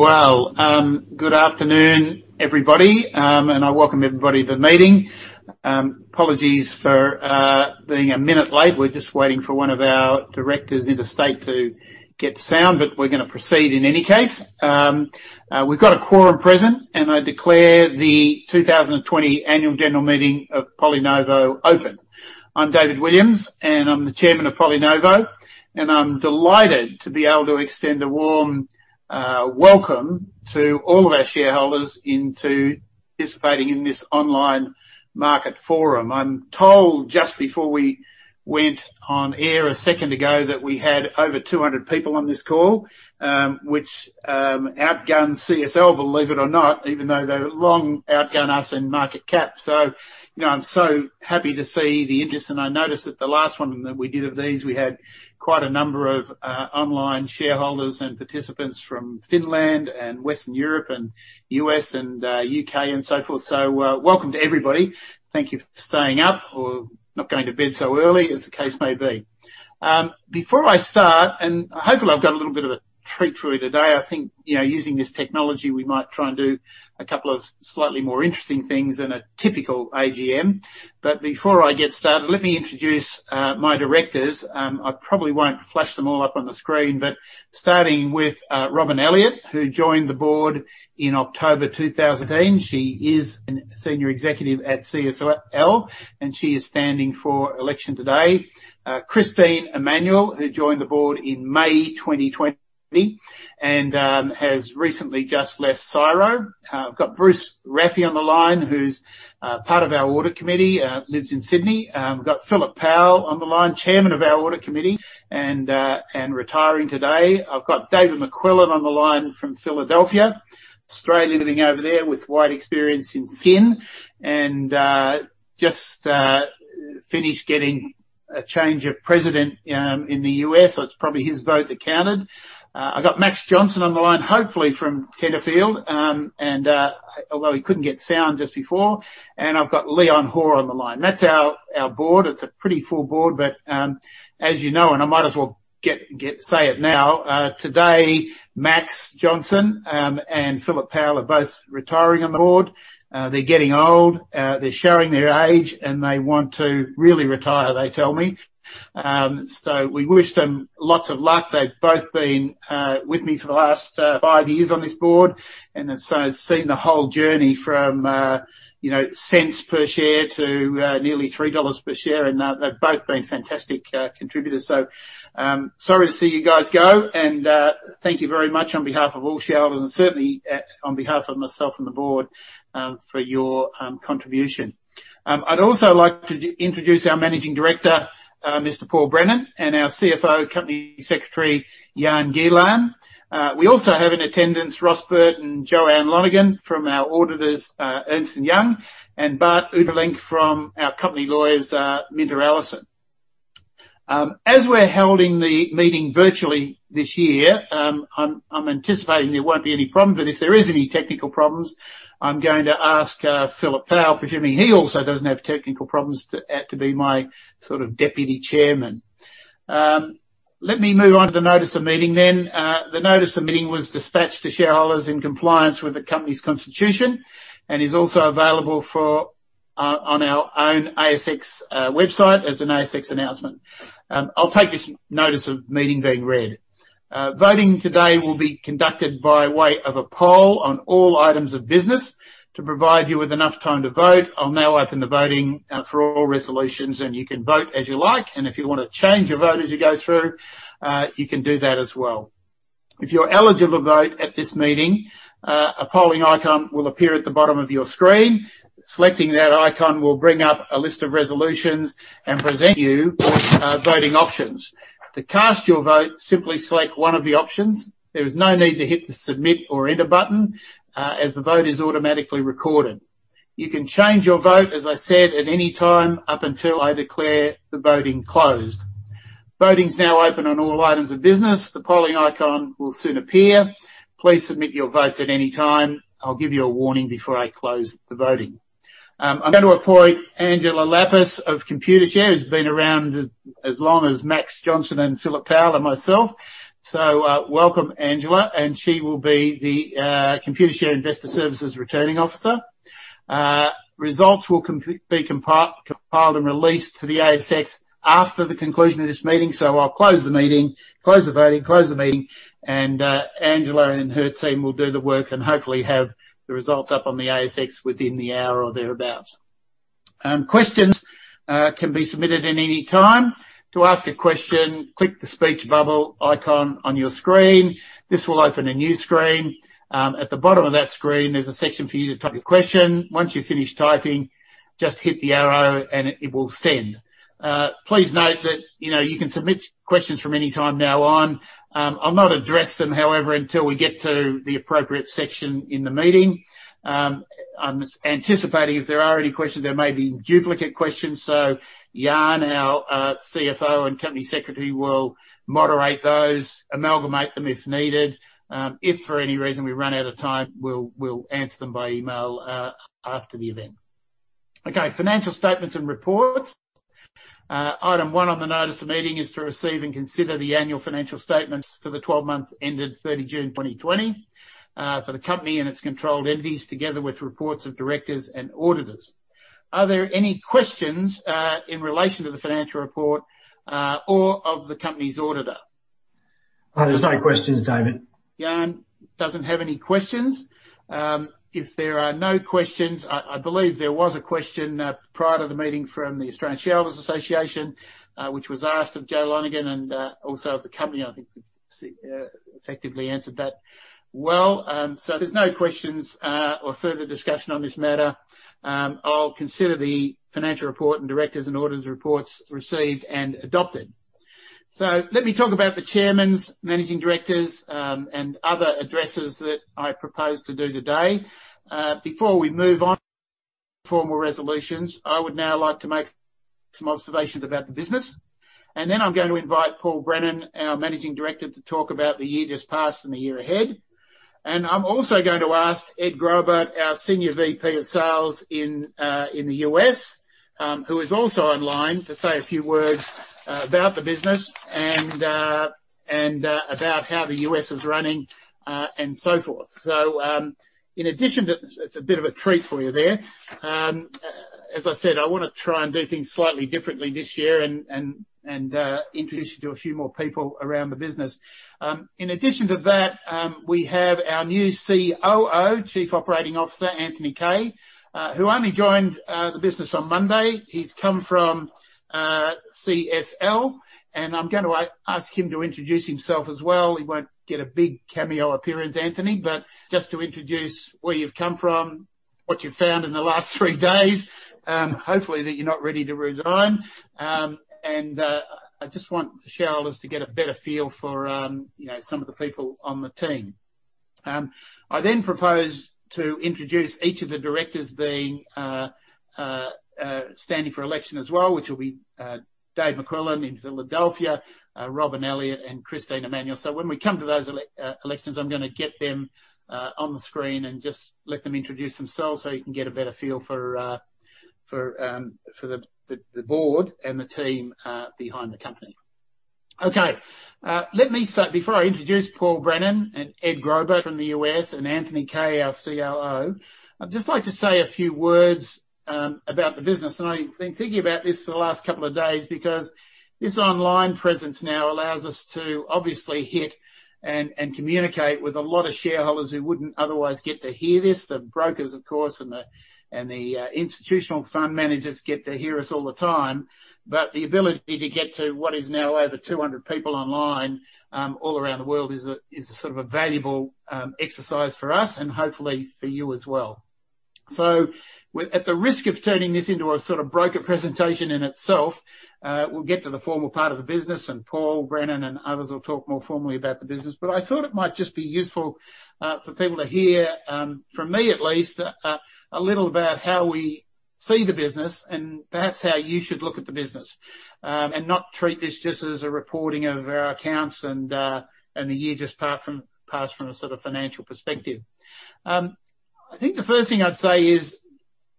Good afternoon, everybody, I welcome everybody to the meeting. Apologies for being a minute late. We're just waiting for one of our directors interstate to get sound, we're going to proceed in any case. We've got a quorum present, I declare the 2020 annual general meeting of PolyNovo open. I'm David Williams, I'm the Chairman of PolyNovo. I'm delighted to be able to extend a warm welcome to all of our shareholders into participating in this online market forum. I'm told just before we went on air a second ago that we had over 200 people on this call, which outguns CSL, believe it or not, even though they long outgun us in market cap I'm so happy to see the interest, and I noticed that the last one that we did of these, we had quite a number of online shareholders and participants from Finland, and Western Europe and U.S. and U.K., and so forth. Welcome to everybody. Thank you for staying up or not going to bed so early, as the case may be. Before I start, and hopefully I've got a little bit of a treat for you today, I think, using this technology, we might try and do a couple of slightly more interesting things than a typical AGM. Before I get started, let me introduce my directors. I probably won't flash them all up on the screen, but starting with Robyn Elliott, who joined the board in October 2018. She is a senior executive at CSL, and she is standing for election today. Christine Emmanuel, who joined the board in May 2020, and has recently just left CSIRO. I've got Bruce Rathie on the line who's part of our audit committee, lives in Sydney. We've got Philip Powell on the line, chairman of our audit committee and retiring today. I've got David McQuillan on the line from Philadelphia, Australian living over there with wide experience in skin, and just finished getting a change of president in the U.S., so it's probably his vote that counted. I got Max Johnston on the line, hopefully from Kentfield. although he couldn't get sound just before. I've got Leon Hoare on the line. That's our board. It's a pretty full board, but as you know, and I might as well say it now, today, Max Johnston and Philip Powell are both retiring on the board. They're getting old. They're showing their age, and they want to really retire, they tell me. We wish them lots of luck. They've both been with me for the last five years on this board, and so have seen the whole journey from cents per share to nearly 3 dollars per share, and they've both been fantastic contributors. Sorry to see you guys go, and thank you very much on behalf of all shareholders and certainly on behalf of myself and the board, for your contribution. I'd also like to introduce our Managing Director, Mr. Paul Brennan, and our CFO Company Secretary, Jan Gielen. We also have in attendance Ross Burton and Joanne Lonergan from our auditors, Ernst & Young, and Bart Oude Vrielink from our company lawyers, MinterEllison. As we're holding the meeting virtually this year, I'm anticipating there won't be any problems, but if there is any technical problems, I'm going to ask Philip Powell, presuming he also doesn't have technical problems, to be my deputy chairman. Let me move on to the notice of meeting, then. The notice of meeting was dispatched to shareholders in compliance with the company's constitution and is also available on our own ASX website as an ASX announcement. I'll take this notice of meeting being read. Voting today will be conducted by way of a poll on all items of business. To provide you with enough time to vote, I'll now open the voting for all resolutions. You can vote as you like. If you want to change your vote as you go through, you can do that as well. If you're eligible to vote at this meeting, a polling icon will appear at the bottom of your screen. Selecting that icon will bring up a list of resolutions and present you voting options. To cast your vote, simply select one of the options. There is no need to hit the submit or enter button, as the vote is automatically recorded. You can change your vote, as I said, at any time up until I declare the voting closed. Voting is now open on all items of business. The polling icon will soon appear. Please submit your votes at any time. I'll give you a warning before I close the voting. I'm going to appoint Angela Liapis of Computershare, who's been around as long as Max Johnston, and Philip Powell, and myself. Welcome, Angela, and she will be the Computershare Investor Services Returning Officer. Results will be compiled and released to the ASX after the conclusion of this meeting. I'll close the voting, close the meeting, and Angela and her team will do the work and hopefully have the results up on the ASX within the hour or thereabout. Questions can be submitted at any time. To ask a question, click the speech bubble icon on your screen. This will open a new screen. At the bottom of that screen, there's a section for you to type your question. Once you've finished typing, just hit the arrow, and it will send. Please note that you can submit questions from any time now on. I'll not address them, however, until we get to the appropriate section in the meeting. I'm anticipating if there are any questions, there may be duplicate questions. Jan, our CFO and Company Secretary, will moderate those, amalgamate them if needed. If, for any reason, we run out of time, we will answer them by email after the event. Financial statements and reports. Item one on the notice of meeting is to receive and consider the annual financial statements for the 12 months ended 30 June 2020 for the company and its controlled entities, together with reports of directors and auditors. Are there any questions in relation to the financial report or of the company's auditor? There's no questions, David. Jan doesn't have any questions. If there are no questions, I believe there was a question prior to the meeting from the Australian Shareholders' Association, which was asked of Joanne Lonergan and also of the company, I think effectively answered that well. If there's no questions or further discussion on this matter, I'll consider the financial report and directors' and auditors' reports received and adopted. Let me talk about the chairman's, managing directors, and other addresses that I propose to do today. Before we move on to formal resolutions, I would now like to make some observations about the business, and then I'm going to invite Paul Brennan, our managing director, to talk about the year just passed and the year ahead. I'm also going to ask Ed Graubart, our Senior VP of Sales in the U.S., who is also online, to say a few words about the business and about how the U.S. is running, and so forth. It's a bit of a treat for you there. As I said, I want to try and do things slightly differently this year and introduce you to a few more people around the business. We have our new COO, Chief Operating Officer, Anthony Kaye, who only joined the business on Monday. He's come from CSL, I'm going to ask him to introduce himself as well. He won't get a big cameo appearance, Anthony, but just to introduce where you've come from, what you've found in the last three days, hopefully that you're not ready to resign. I just want the shareholders to get a better feel for some of the people on the team. I propose to introduce each of the directors standing for election as well, which will be David McQuillan in Philadelphia, Robyn Elliott, and Christine Emmanuel. When we come to those elections, I'm gonna get them on the screen and just let them introduce themselves so you can get a better feel for the board and the team behind the company. Okay. Before I introduce Paul Brennan and Ed Graubart from the U.S. and Anthony Kaye, our COO, I'd just like to say a few words about the business. I've been thinking about this for the last couple of days because this online presence now allows us to obviously hit and communicate with a lot of shareholders who wouldn't otherwise get to hear this. The brokers, of course, and the institutional fund managers get to hear us all the time. The ability to get to what is now over 200 people online all around the world is sort of a valuable exercise for us and hopefully for you as well. At the risk of turning this into a sort of broker presentation in itself, we'll get to the formal part of the business, and Paul Brennan and others will talk more formally about the business. I thought it might just be useful for people to hear, from me at least, a little about how we see the business and perhaps how you should look at the business, and not treat this just as a reporting of our accounts and the year just passed from a sort of financial perspective. I think the first thing I'd say is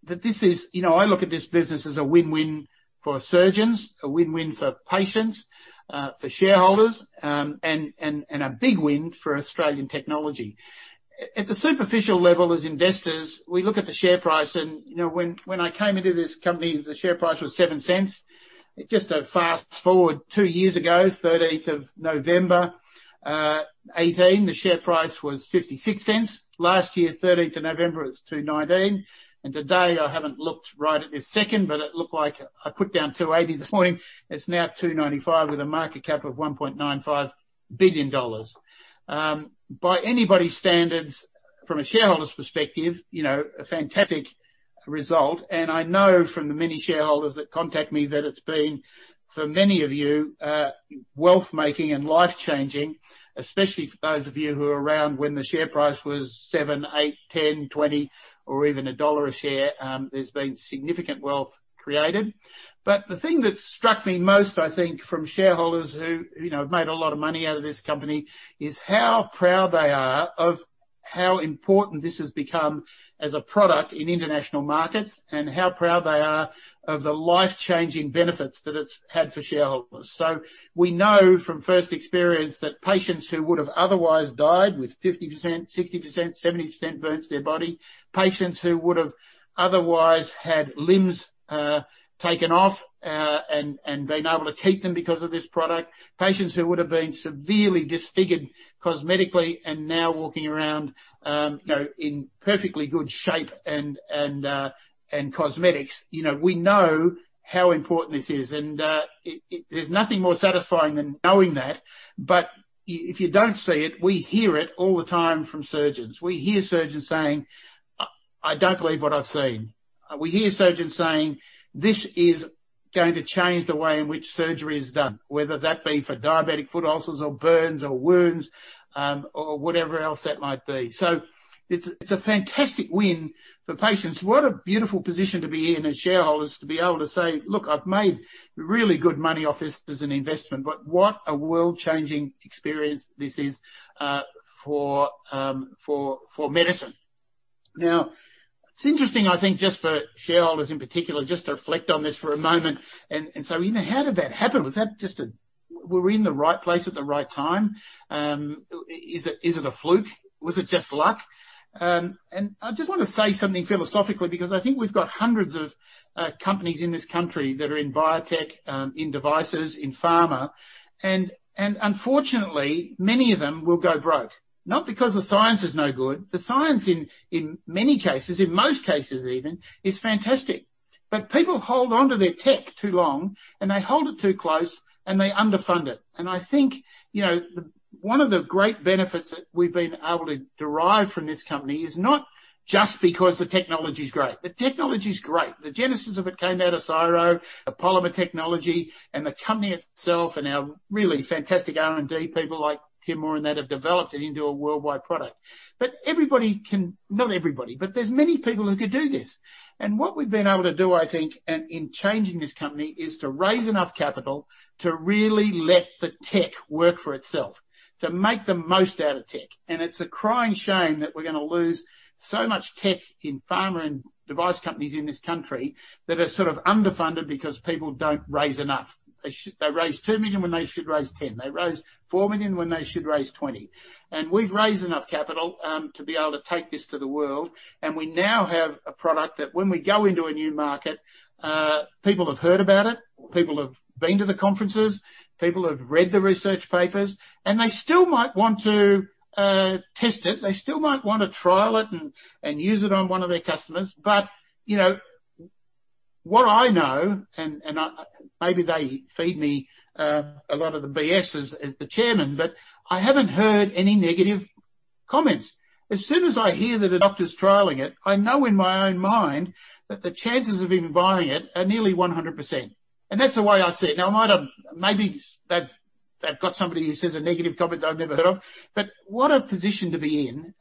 that I look at this business as a win-win for surgeons, a win-win for patients, for shareholders, and a big win for Australian technology. At the superficial level, as investors, we look at the share price, and when I came into this company, the share price was 0.07. Just to fast-forward two years ago, 13th of November 2018, the share price was 0.56. Last year, 13th of November, it was 2.19. Today, I haven't looked right at this second, but it looked like I put down 2.80 this morning. It's now 2.95 with a market cap of 1.95 billion dollars. By anybody's standards, from a shareholder's perspective, a fantastic result. I know from the many shareholders that contact me that it's been, for many of you, wealth-making and life-changing, especially for those of you who were around when the share price was seven, eight, 10, 20, or even AUD 1 a share. There's been significant wealth created. The thing that struck me most, I think, from shareholders who have made a lot of money out of this company, is how proud they are of how important this has become as a product in international markets, and how proud they are of the life-changing benefits that it's had for shareholders. We know from first experience that patients who would have otherwise died with 50%, 60%, 70% burns to their body, patients who would have otherwise had limbs taken off and been able to keep them because of this product, patients who would have been severely disfigured cosmetically, and now walking around in perfectly good shape and cosmetics. We know how important this is, and there's nothing more satisfying than knowing that. If you don't see it, we hear it all the time from surgeons. We hear surgeons saying, "I don't believe what I've seen." We hear surgeons saying, "This is going to change the way in which surgery is done," whether that be for diabetic foot ulcers, or burns, or wounds, or whatever else that might be. It's a fantastic win for patients. What a beautiful position to be in as shareholders, to be able to say, "Look, I've made really good money off this as an investment," but what a world-changing experience this is for medicine. It's interesting, I think, just for shareholders in particular, just to reflect on this for a moment. How did that happen? Were we in the right place at the right time? Is it a fluke? Was it just luck? I just want to say something philosophically, because I think we've got hundreds of companies in this country that are in biotech, in devices, in pharma, and unfortunately, many of them will go broke. Not because the science is no good. The science, in many cases, in most cases even, is fantastic. People hold onto their tech too long, and they hold it too close, and they underfund it. I think one of the great benefits that we've been able to derive from this company is not just because the technology's great. The technology's great. The genesis of it came out of CSIRO, the polymer technology, the company itself, and our really fantastic R&D people like Tim Moore and that have developed it into a worldwide product. Everybody can, not everybody, but there's many people who could do this. What we've been able to do, I think, in changing this company is to raise enough capital to really let the tech work for itself, to make the most out of tech. It's a crying shame that we're going to lose so much tech in pharma and device companies in this country that are sort of underfunded because people don't raise enough. They raised 2 million when they should raised 10 million. They raised 4 million when they should raised 20 million. We've raised enough capital to be able to take this to the world. We now have a product that, when we go into a new market, people have heard about it, people have been to the conferences, people have read the research papers, and they still might want to test it. They still might want to trial it and use it on one of their customers. What I know, and maybe they feed me a lot of the BS as the chairman, but I haven't heard any negative comments. As soon as I hear that a doctor's trialing it, I know in my own mind that the chances of him buying it are nearly 100%. That's the way I see it. Maybe they've got somebody who says a negative comment that I've never heard of. What a position to be in,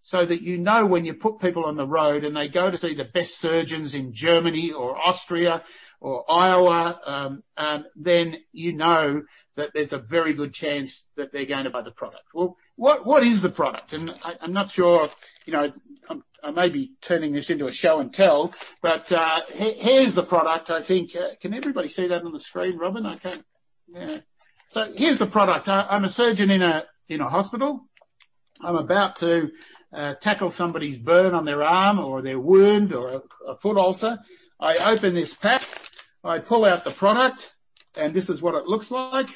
so that you know when you put people on the road, and they go to see the best surgeons in Germany or Austria or Iowa, then you know that there's a very good chance that they're going to buy the product. What is the product? I'm not sure, I may be turning this into a show and tell, here's the product, I think. Can everybody see that on the screen, Robyn? I can't. Yeah. Here's the product. I'm a surgeon in a hospital. I'm about to tackle somebody's burn on their arm, or their wound, or a foot ulcer. I open this pack, I pull out the product, this is what it looks like.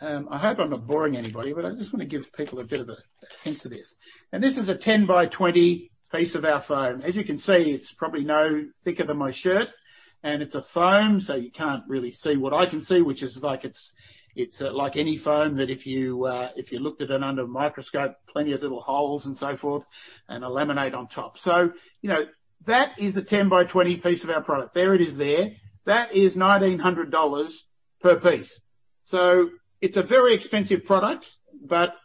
I hope I'm not boring anybody. I just want to give people a bit of a sense of this. This is a 10-by-20 piece of our foam. As you can see, it's probably no thicker than my shirt, and it's a foam, so you can't really see what I can see, which is like it's like any foam that if you looked at it under a microscope, plenty of little holes and so forth, and a laminate on top. That is a 10 by 20 piece of our product. There it is there. That is 1,900 dollars per piece. It's a very expensive product.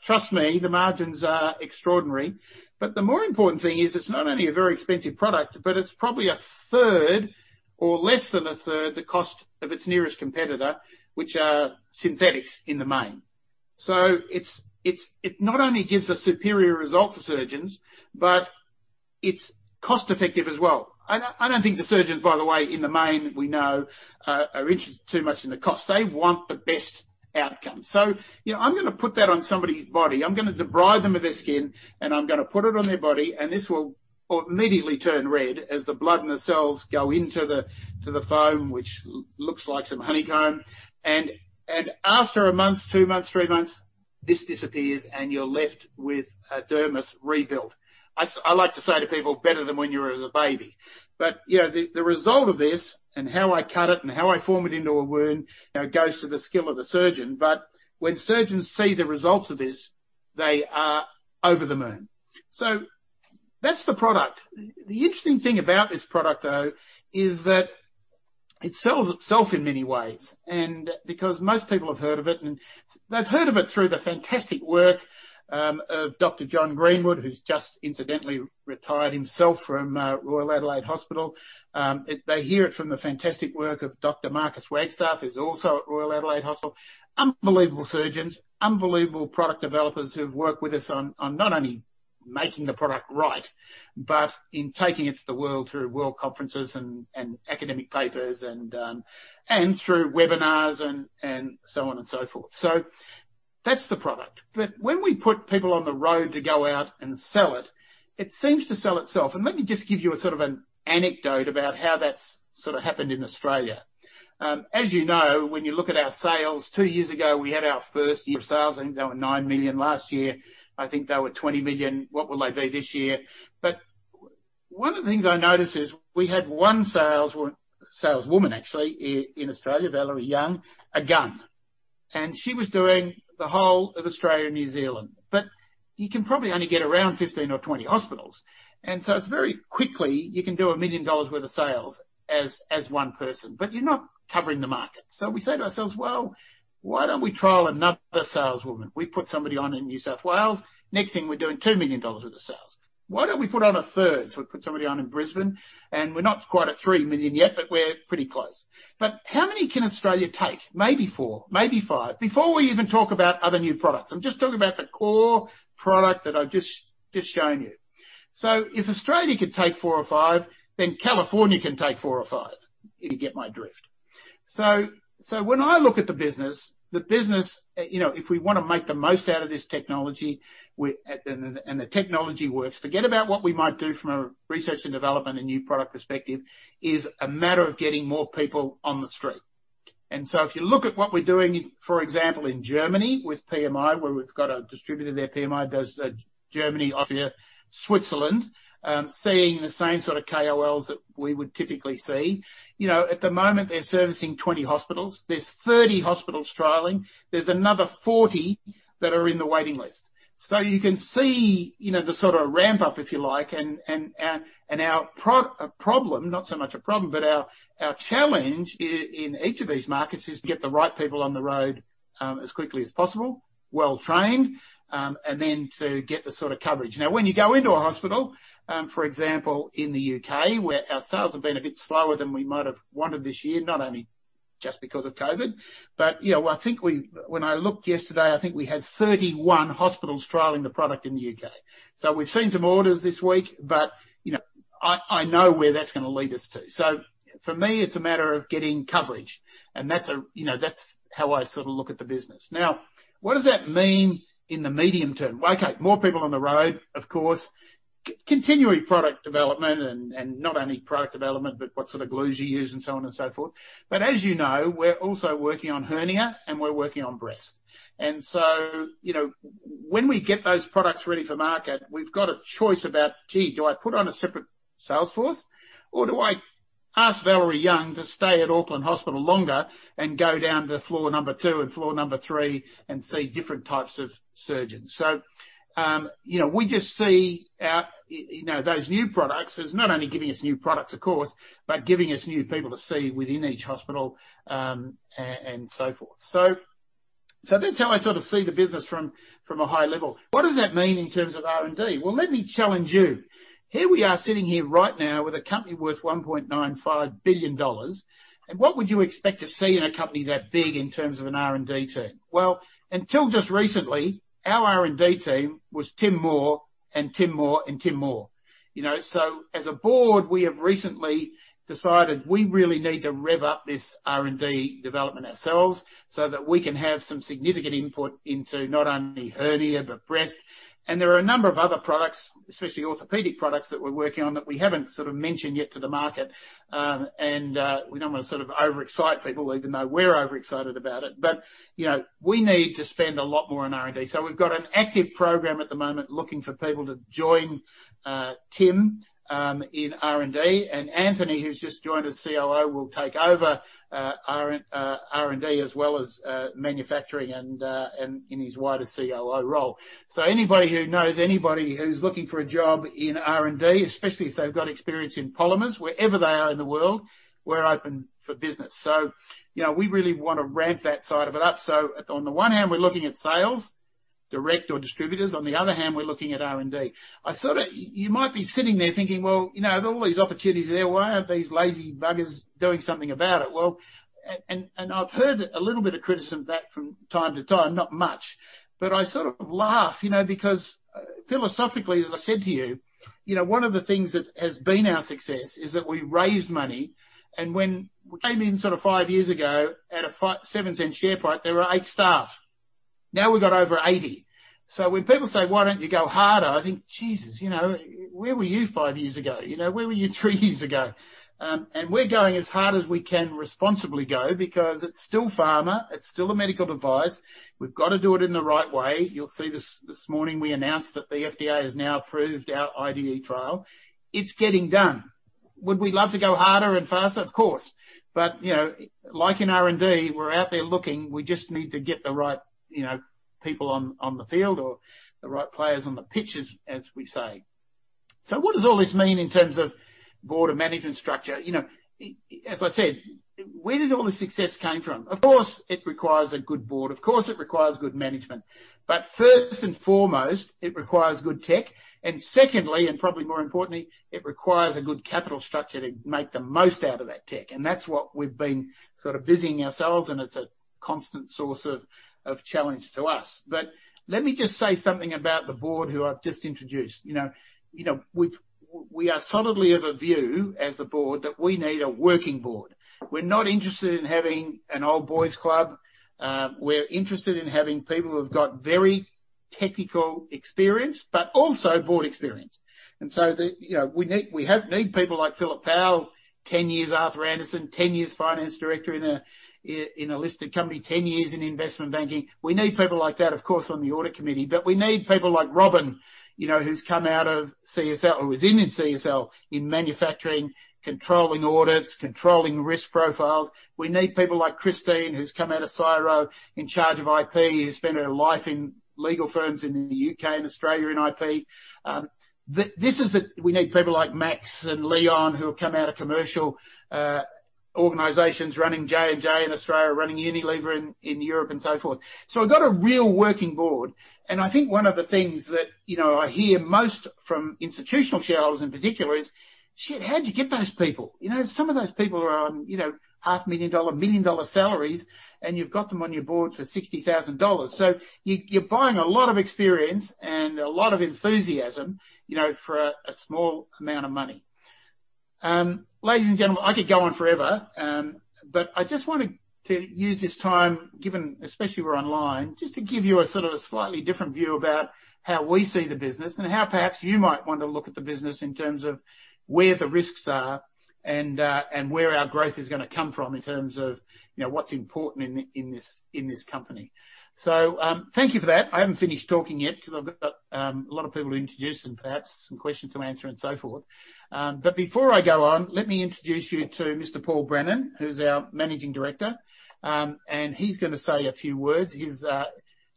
Trust me, the margins are extraordinary. The more important thing is it's not only a very expensive product, but it's probably a third or less than a third the cost of its nearest competitor, which are synthetics in the main. It not only gives a superior result for surgeons, but it's cost-effective as well. I don't think the surgeons, by the way, in the main, we know, are interested too much in the cost. They want the best outcome. I'm going to put that on somebody's body. I'm going to debride them of their skin, and I'm going to put it on their body, and this will immediately turn red as the blood and the cells go into the foam, which looks like some honeycomb. After a month, two months, three months, this disappears, and you're left with a dermis rebuilt. I like to say to people, "Better than when you were as a baby." The result of this and how I cut it and how I form it into a wound, goes to the skill of the surgeon. When surgeons see the results of this, they are over the moon. That's the product. The interesting thing about this product, though, is that it sells itself in many ways, and because most people have heard of it, and they've heard of it through the fantastic work of Dr. John Greenwood, who's just incidentally retired himself from Royal Adelaide Hospital. They hear it from the fantastic work of Dr. Marcus Wagstaff, who's also at Royal Adelaide Hospital. Unbelievable surgeons, unbelievable product developers who've worked with us on not only making the product right, but in taking it to the world through world conferences and academic papers and through webinars and so on and so forth. That's the product. When we put people on the road to go out and sell, it seems to sell itself. Let me just give you a sort of an anecdote about how that's sort of happened in Australia. You know, when you look at our sales, two years ago, we had our first year of sales. I think they were 9 million last year. I think they were 20 million. What will they be this year? One of the things I noticed is we had one saleswoman, actually, in Australia, Valerie Young, a gun, and she was doing the whole of Australia and New Zealand. You can probably only get around 15 or 20 hospitals, it's very quickly, you can do 1 million dollars worth of sales as one person, but you're not covering the market. We say to ourselves, "Well, why don't we trial another saleswoman?" We put somebody on in New South Wales. Next thing we're doing 2 million dollars worth of sales. Why don't we put on a third? We put somebody on in Brisbane, and we're not quite at 3 million yet, but we're pretty close. How many can Australia take? Maybe four, maybe five. Before we even talk about other new products, I'm just talking about the core product that I've just shown you. If Australia could take four or five, California can take four or five. You get my drift. When I look at the business, if we want to make the most out of this technology, and the technology works, forget about what we might do from a research and development and new product perspective, is a matter of getting more people on the street. If you look at what we're doing, for example, in Germany with PMI, where we've got a distributor there, PMI does Germany, Austria, Switzerland, seeing the same sort of KOLs that we would typically see. At the moment, they're servicing 20 hospitals. There's 30 hospitals trialing. There's another 40 that are in the waiting list. You can see the sort of ramp-up, if you like, and our problem, not so much a problem, but our challenge in each of these markets is to get the right people on the road, as quickly as possible, well-trained, and then to get the sort of coverage. When you go into a hospital, for example, in the U.K., where our sales have been a bit slower than we might have wanted this year, not only just because of COVID, but I think when I looked yesterday, I think we had 31 hospitals trialing the product in the U.K. We've seen some orders this week, but I know where that's going to lead us to. For me, it's a matter of getting coverage, and that's how I sort of look at the business. What does that mean in the medium term? More people on the road, of course. Product development, and not only product development, but what sort of glues you use and so on and so forth. As you know, we're also working on hernia, and we're working on breast. When we get those products ready for market, we've got a choice about, gee, do I put on a separate sales force or do I ask Valerie Young to stay at Auckland Hospital longer and go down to floor number two and floor number three and see different types of surgeons? We just see those new products as not only giving us new products, of course, but giving us new people to see within each hospital, and so forth. That's how I sort of see the business from a high level. What does that mean in terms of R&D? Well, let me challenge you. Here we are sitting here right now with a company worth 1.95 billion dollars. What would you expect to see in a company that big in terms of an R&D team? Well, until just recently, our R&D team was Tim Moore, and Tim Moore, and Tim Moore. As a board, we have recently decided we really need to rev up this R&D development ourselves so that we can have some significant input into not only hernia, but breast. There are a number of other products, especially orthopedic products, that we're working on that we haven't sort of mentioned yet to the market. We don't want to sort of overexcite people, even though we're overexcited about it. We need to spend a lot more on R&D. We've got an active program at the moment looking for people to join Tim in R&D. Anthony, who's just joined as COO, will take over R&D as well as manufacturing in his wider COO role. Anybody who knows anybody who's looking for a job in R&D, especially if they've got experience in polymers, wherever they are in the world, we're open for business. We really want to ramp that side of it up. On the one hand, we're looking at sales, direct or distributors. On the other hand, we're looking at R&D. You might be sitting there thinking, "Well, all these opportunities are there. Why aren't these lazy buggers doing something about it?" Well, I've heard a little bit of criticism of that from time to time, not much, but I sort of laugh, because philosophically, as I said to you, one of the things that has been our success is that we raised money, and when we came in, sort of five years ago at a seven, 10 share point, there were eight staff. Now we've got over 80. When people say, "Why don't you go harder?" I think, "Jesus, where were you five years ago? Where were you three years ago?" We're going as hard as we can responsibly go because it's still pharma, it's still a medical device. We've got to do it in the right way. You'll see this morning, we announced that the FDA has now approved our IDE trial. It's getting done. Would we love to go harder and faster? Of course. Like in R&D, we're out there looking. We just need to get the right people on the field or the right players on the pitch, as we say. What does all this mean in terms of board and management structure? As I said, where did all the success come from? Of course, it requires a good board. Of course, it requires good management. First and foremost, it requires good tech. Secondly, and probably more importantly, it requires a good capital structure to make the most out of that tech. That's what we've been sort of busying ourselves, and it's a constant source of challenge to us. Let me just say something about the board who I've just introduced. We are solidly of a view as the board that we need a working board. We're not interested in having an all-boys club. We're interested in having people who've got very technical experience, but also board experience. We need people like Philip Powell, 10 years Arthur Andersen, 10 years finance director in a listed company, 10 years in investment banking. We need people like that, of course, on the audit committee. We need people like Robyn, who's come out of CSL, or was in CSL, in manufacturing, controlling audits, controlling risk profiles. We need people like Christine, who's come out of CSIRO, in charge of IP, who spent her life in legal firms in the U.K. and Australia in IP. We need people like Max and Leon, who have come out of commercial organizations, running J&J in Australia, running Unilever in Europe, and so forth. We've got a real working board, and I think one of the things that I hear most from institutional shareholders in particular is, "Shit, how'd you get those people?" Some of those people are on AUD 500,000, 1 million dollar salaries, and you've got them on your board for 60,000 dollars. You're buying a lot of experience and a lot of enthusiasm for a small amount of money. Ladies and gentlemen, I could go on forever, I just wanted to use this time, given especially we're online, just to give you a sort of a slightly different view about how we see the business and how perhaps you might want to look at the business in terms of where the risks are and where our growth is going to come from in terms of what's important in this company. Thank you for that. I haven't finished talking yet because I've got a lot of people to introduce and perhaps some questions to answer, and so forth. Before I go on, let me introduce you to Mr. Paul Brennan, who's our Managing Director, and he's going to say a few words.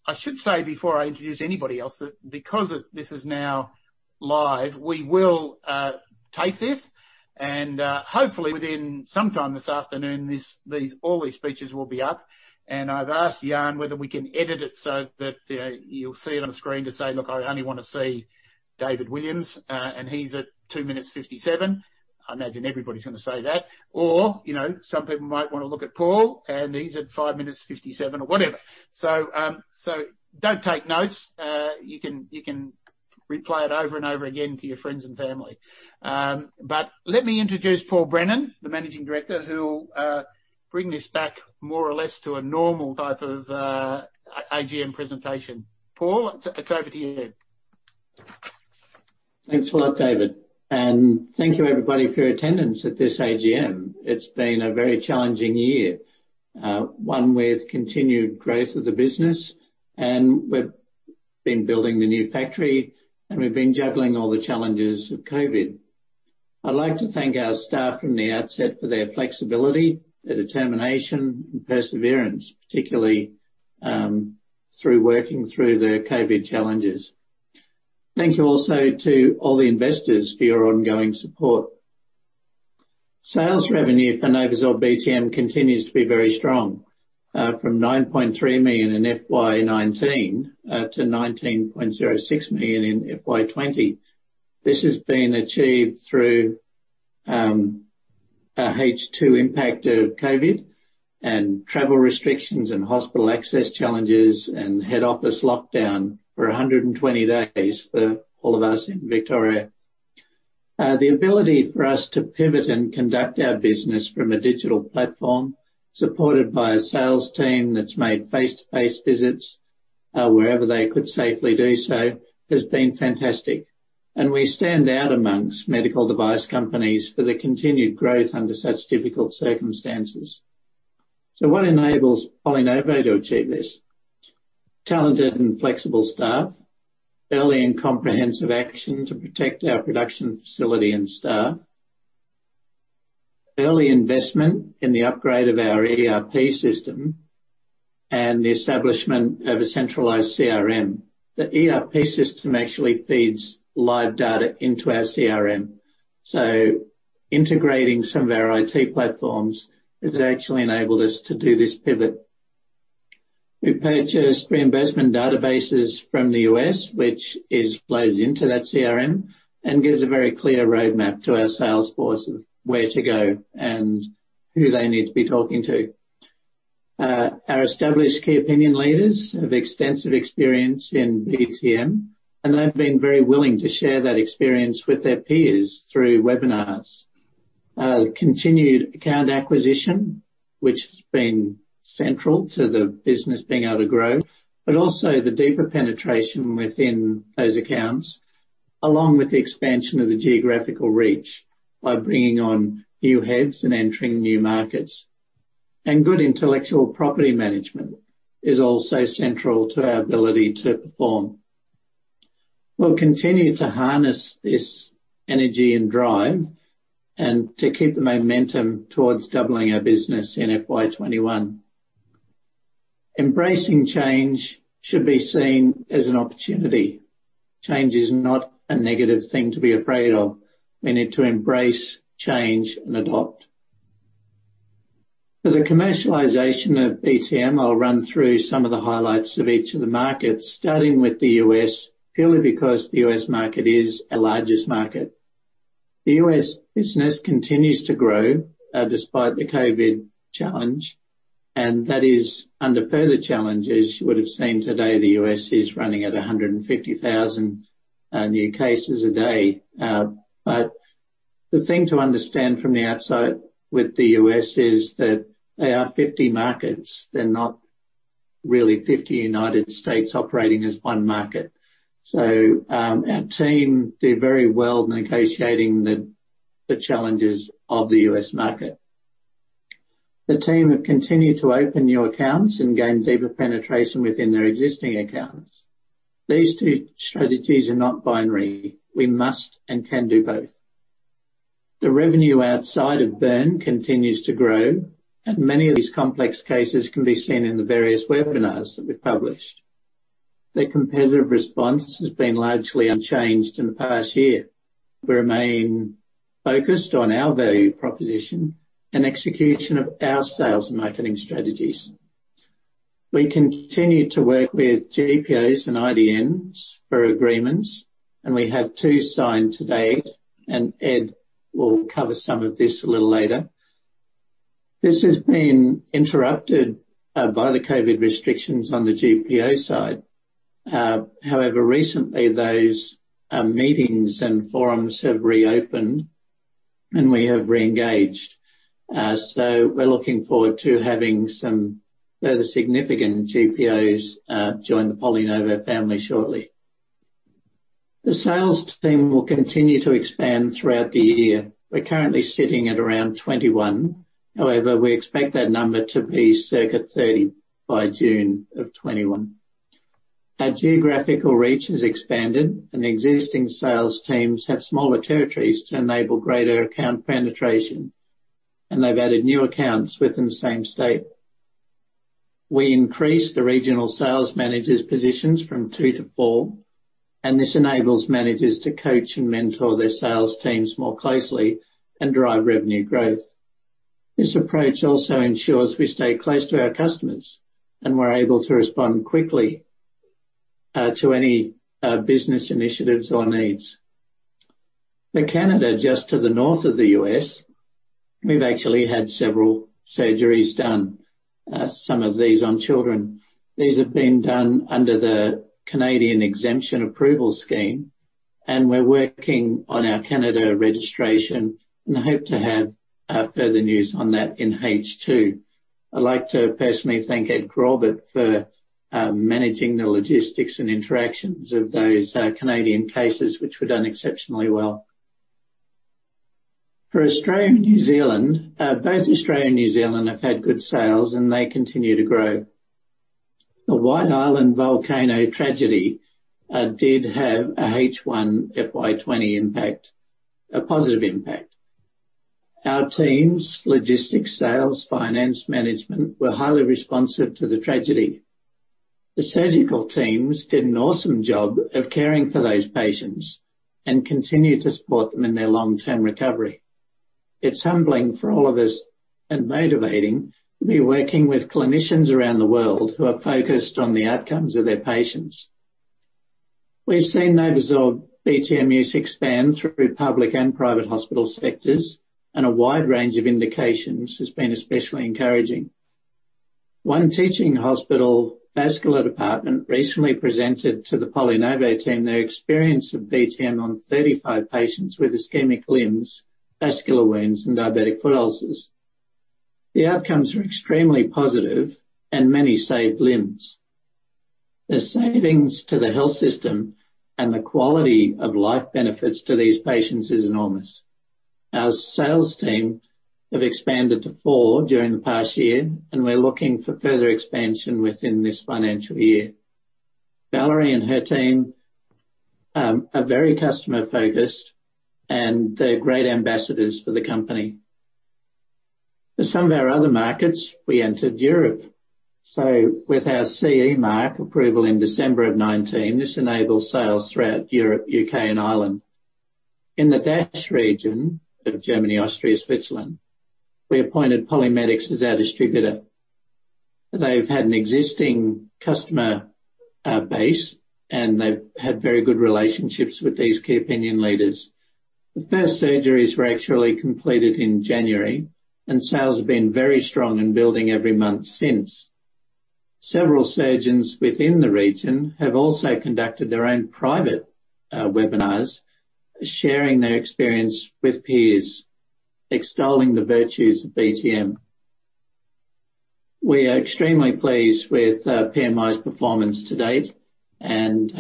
I should say before I introduce anybody else that because this is now live, we will take this and hopefully within some time this afternoon, all these speeches will be up. I've asked Jan whether we can edit it so that you'll see it on the screen to say, "Look, I only want to see David Williams, and he's at two minutes 57." I imagine everybody's going to say that. Some people might want to look at Paul, and he's at five minutes 57 or whatever. Don't take notes. You can replay it over and over again to your friends and family. Let me introduce Paul Brennan, the Managing Director, who will bring this back more or less to a normal type of AGM presentation. Paul, it's over to you. Thanks a lot, David. Thank you, everybody, for your attendance at this AGM. It's been a very challenging year, one with continued growth of the business, and we've been building the new factory, and we've been juggling all the challenges of COVID. I'd like to thank our staff from the outset for their flexibility, their determination, and perseverance, particularly through working through the COVID challenges. Thank you also to all the investors for your ongoing support. Sales revenue for NovoSorb BTM continues to be very strong, from 9.3 million in FY 2019 to 19.06 million in FY 2020. This has been achieved through a H2 impact of COVID, and travel restrictions, and hospital access challenges, and head office lockdown for 120 days for all of us in Victoria. The ability for us to pivot and conduct our business from a digital platform, supported by a sales team that's made face-to-face visits wherever they could safely do so, has been fantastic. We stand out amongst medical device companies for the continued growth under such difficult circumstances. What enables PolyNovo to achieve this? Talented and flexible staff, early and comprehensive action to protect our production facility and staff, early investment in the upgrade of our ERP system, and the establishment of a centralized CRM. The ERP system actually feeds live data into our CRM. Integrating some of our IT platforms has actually enabled us to do this pivot. We purchased reinvestment databases from the U.S., which is loaded into that CRM and gives a very clear roadmap to our sales force of where to go and who they need to be talking to. Our established key opinion leaders have extensive experience in BTM, and they've been very willing to share that experience with their peers through webinars. Continued account acquisition, which has been central to the business being able to grow, but also the deeper penetration within those accounts, along with the expansion of the geographical reach by bringing on new heads and entering new markets. Good intellectual property management is also central to our ability to perform. We'll continue to harness this energy and drive and to keep the momentum towards doubling our business in FY 2021. Embracing change should be seen as an opportunity. Change is not a negative thing to be afraid of. We need to embrace change and adapt. For the commercialization of BTM, I'll run through some of the highlights of each of the markets, starting with the U.S., purely because the U.S. market is our largest market. The U.S. business continues to grow despite the COVID challenge. That is under further challenge. As you would have seen today, the U.S. is running at 150,000 new cases a day. The thing to understand from the outside with the U.S. is that they are 50 markets. They're not really 50 United States operating as one market. Our team did very well negotiating the challenges of the U.S. market. The team have continued to open new accounts and gain deeper penetration within their existing accounts. These two strategies are not binary. We must and can do both. The revenue outside of burn continues to grow. Many of these complex cases can be seen in the various webinars that we've published. The competitive response has been largely unchanged in the past year. We remain focused on our value proposition and execution of our sales and marketing strategies. We continue to work with GPOs and IDNs for agreements, and we have two signed to date, and Ed will cover some of this a little later. This has been interrupted by the COVID restrictions on the GPO side. Recently, those meetings and forums have reopened, and we have re-engaged. We're looking forward to having some further significant GPOs join the PolyNovo family shortly. The sales team will continue to expand throughout the year. We're currently sitting at around 21. We expect that number to be circa 30 by June of 2021. Our geographical reach has expanded, and the existing sales teams have smaller territories to enable greater account penetration, and they've added new accounts within the same state. We increased the regional sales managers' positions from two to four, and this enables managers to coach and mentor their sales teams more closely and drive revenue growth. This approach also ensures we stay close to our customers, and we're able to respond quickly to any business initiatives or needs. In Canada, just to the north of the U.S., we've actually had several surgeries done, some of these on children. These have been done under the Canadian Exemption Approval Scheme, and we're working on our Canada registration and hope to have further news on that in H2. I'd like to personally thank Ed Graubart for managing the logistics and interactions of those Canadian cases, which were done exceptionally well. For Australia and New Zealand, both Australia and New Zealand have had good sales, and they continue to grow. The White Island volcano tragedy did have a H1 FY 2020 impact, a positive impact. Our teams, logistics, sales, finance, management were highly responsive to the tragedy. The surgical teams did an awesome job of caring for those patients and continue to support them in their long-term recovery. It's humbling for all of us, and motivating, to be working with clinicians around the world who are focused on the outcomes of their patients. We've seen NovoSorb BTM use expand through public and private hospital sectors, and a wide range of indications has been especially encouraging. One teaching hospital vascular department recently presented to the PolyNovo team their experience of BTM on 35 patients with ischemic limbs, vascular wounds, and diabetic foot ulcers. The outcomes are extremely positive, and many saved limbs. The savings to the health system and the quality of life benefits to these patients is enormous. Our sales team have expanded to four during the past year, and we're looking for further expansion within this financial year. Valerie and her team are very customer-focused, and they're great ambassadors for the company. For some of our other markets, we entered Europe, so with our CE mark approval in December of 2019, this enables sales throughout Europe, U.K., and Ireland. In the DACH region of Germany, Austria, Switzerland, we appointed PolyMedics as our distributor. They've had an existing customer base, and they've had very good relationships with these key opinion leaders. The first surgeries were actually completed in January, and sales have been very strong and building every month since. Several surgeons within the region have also conducted their own private webinars, sharing their experience with peers, extolling the virtues of BTM. We are extremely pleased with PMI's performance to date, and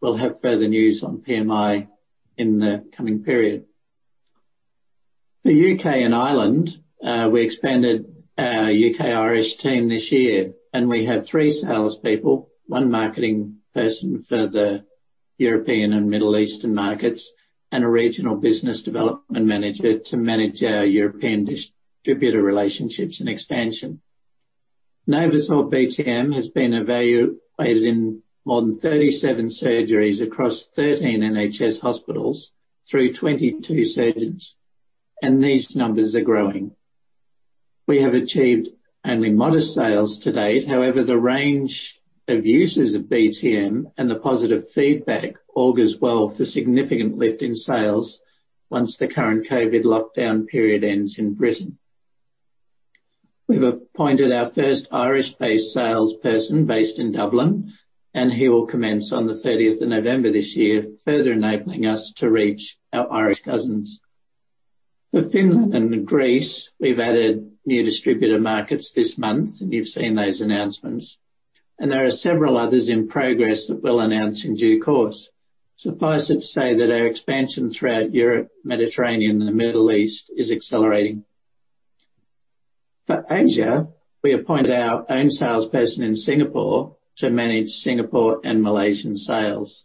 we'll have further news on PMI in the coming period. The U.K. and Ireland, we expanded our U.K., Irish team this year, and we have three salespeople, one marketing person for the European and Middle Eastern markets, and a regional business development manager to manage our European distributor relationships and expansion. NovoSorb BTM has been evaluated in more than 37 surgeries across 13 NHS hospitals through 22 surgeons, and these numbers are growing. We have achieved only modest sales to date. However, the range of uses of BTM and the positive feedback augurs well for significant lift in sales once the current COVID lockdown period ends in Britain. We've appointed our first Irish-based salesperson, based in Dublin, and he will commence on the 30th of November this year, further enabling us to reach our Irish cousins. For Finland and Greece, we've added new distributor markets this month, and you've seen those announcements, and there are several others in progress that we'll announce in due course. Suffice it to say that our expansion throughout Europe, Mediterranean, and the Middle East is accelerating. For Asia, we appointed our own salesperson in Singapore to manage Singapore and Malaysian sales.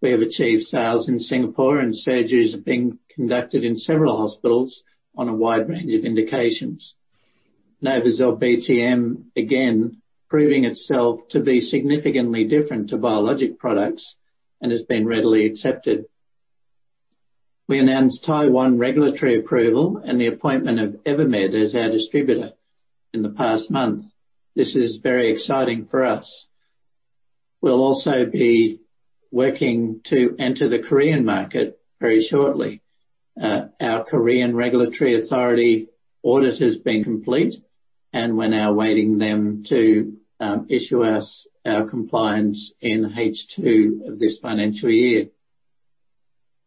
We have achieved sales in Singapore, and surgeries are being conducted in several hospitals on a wide range of indications. NovoSorb BTM, again, proving itself to be significantly different to biologic products and has been readily accepted. We announced Taiwan regulatory approval and the appointment of Evermed as our distributor in the past month. This is very exciting for us. We'll also be working to enter the Korean market very shortly. Our Korean regulatory authority audit has been complete, and we're now awaiting them to issue us our compliance in H2 of this financial year.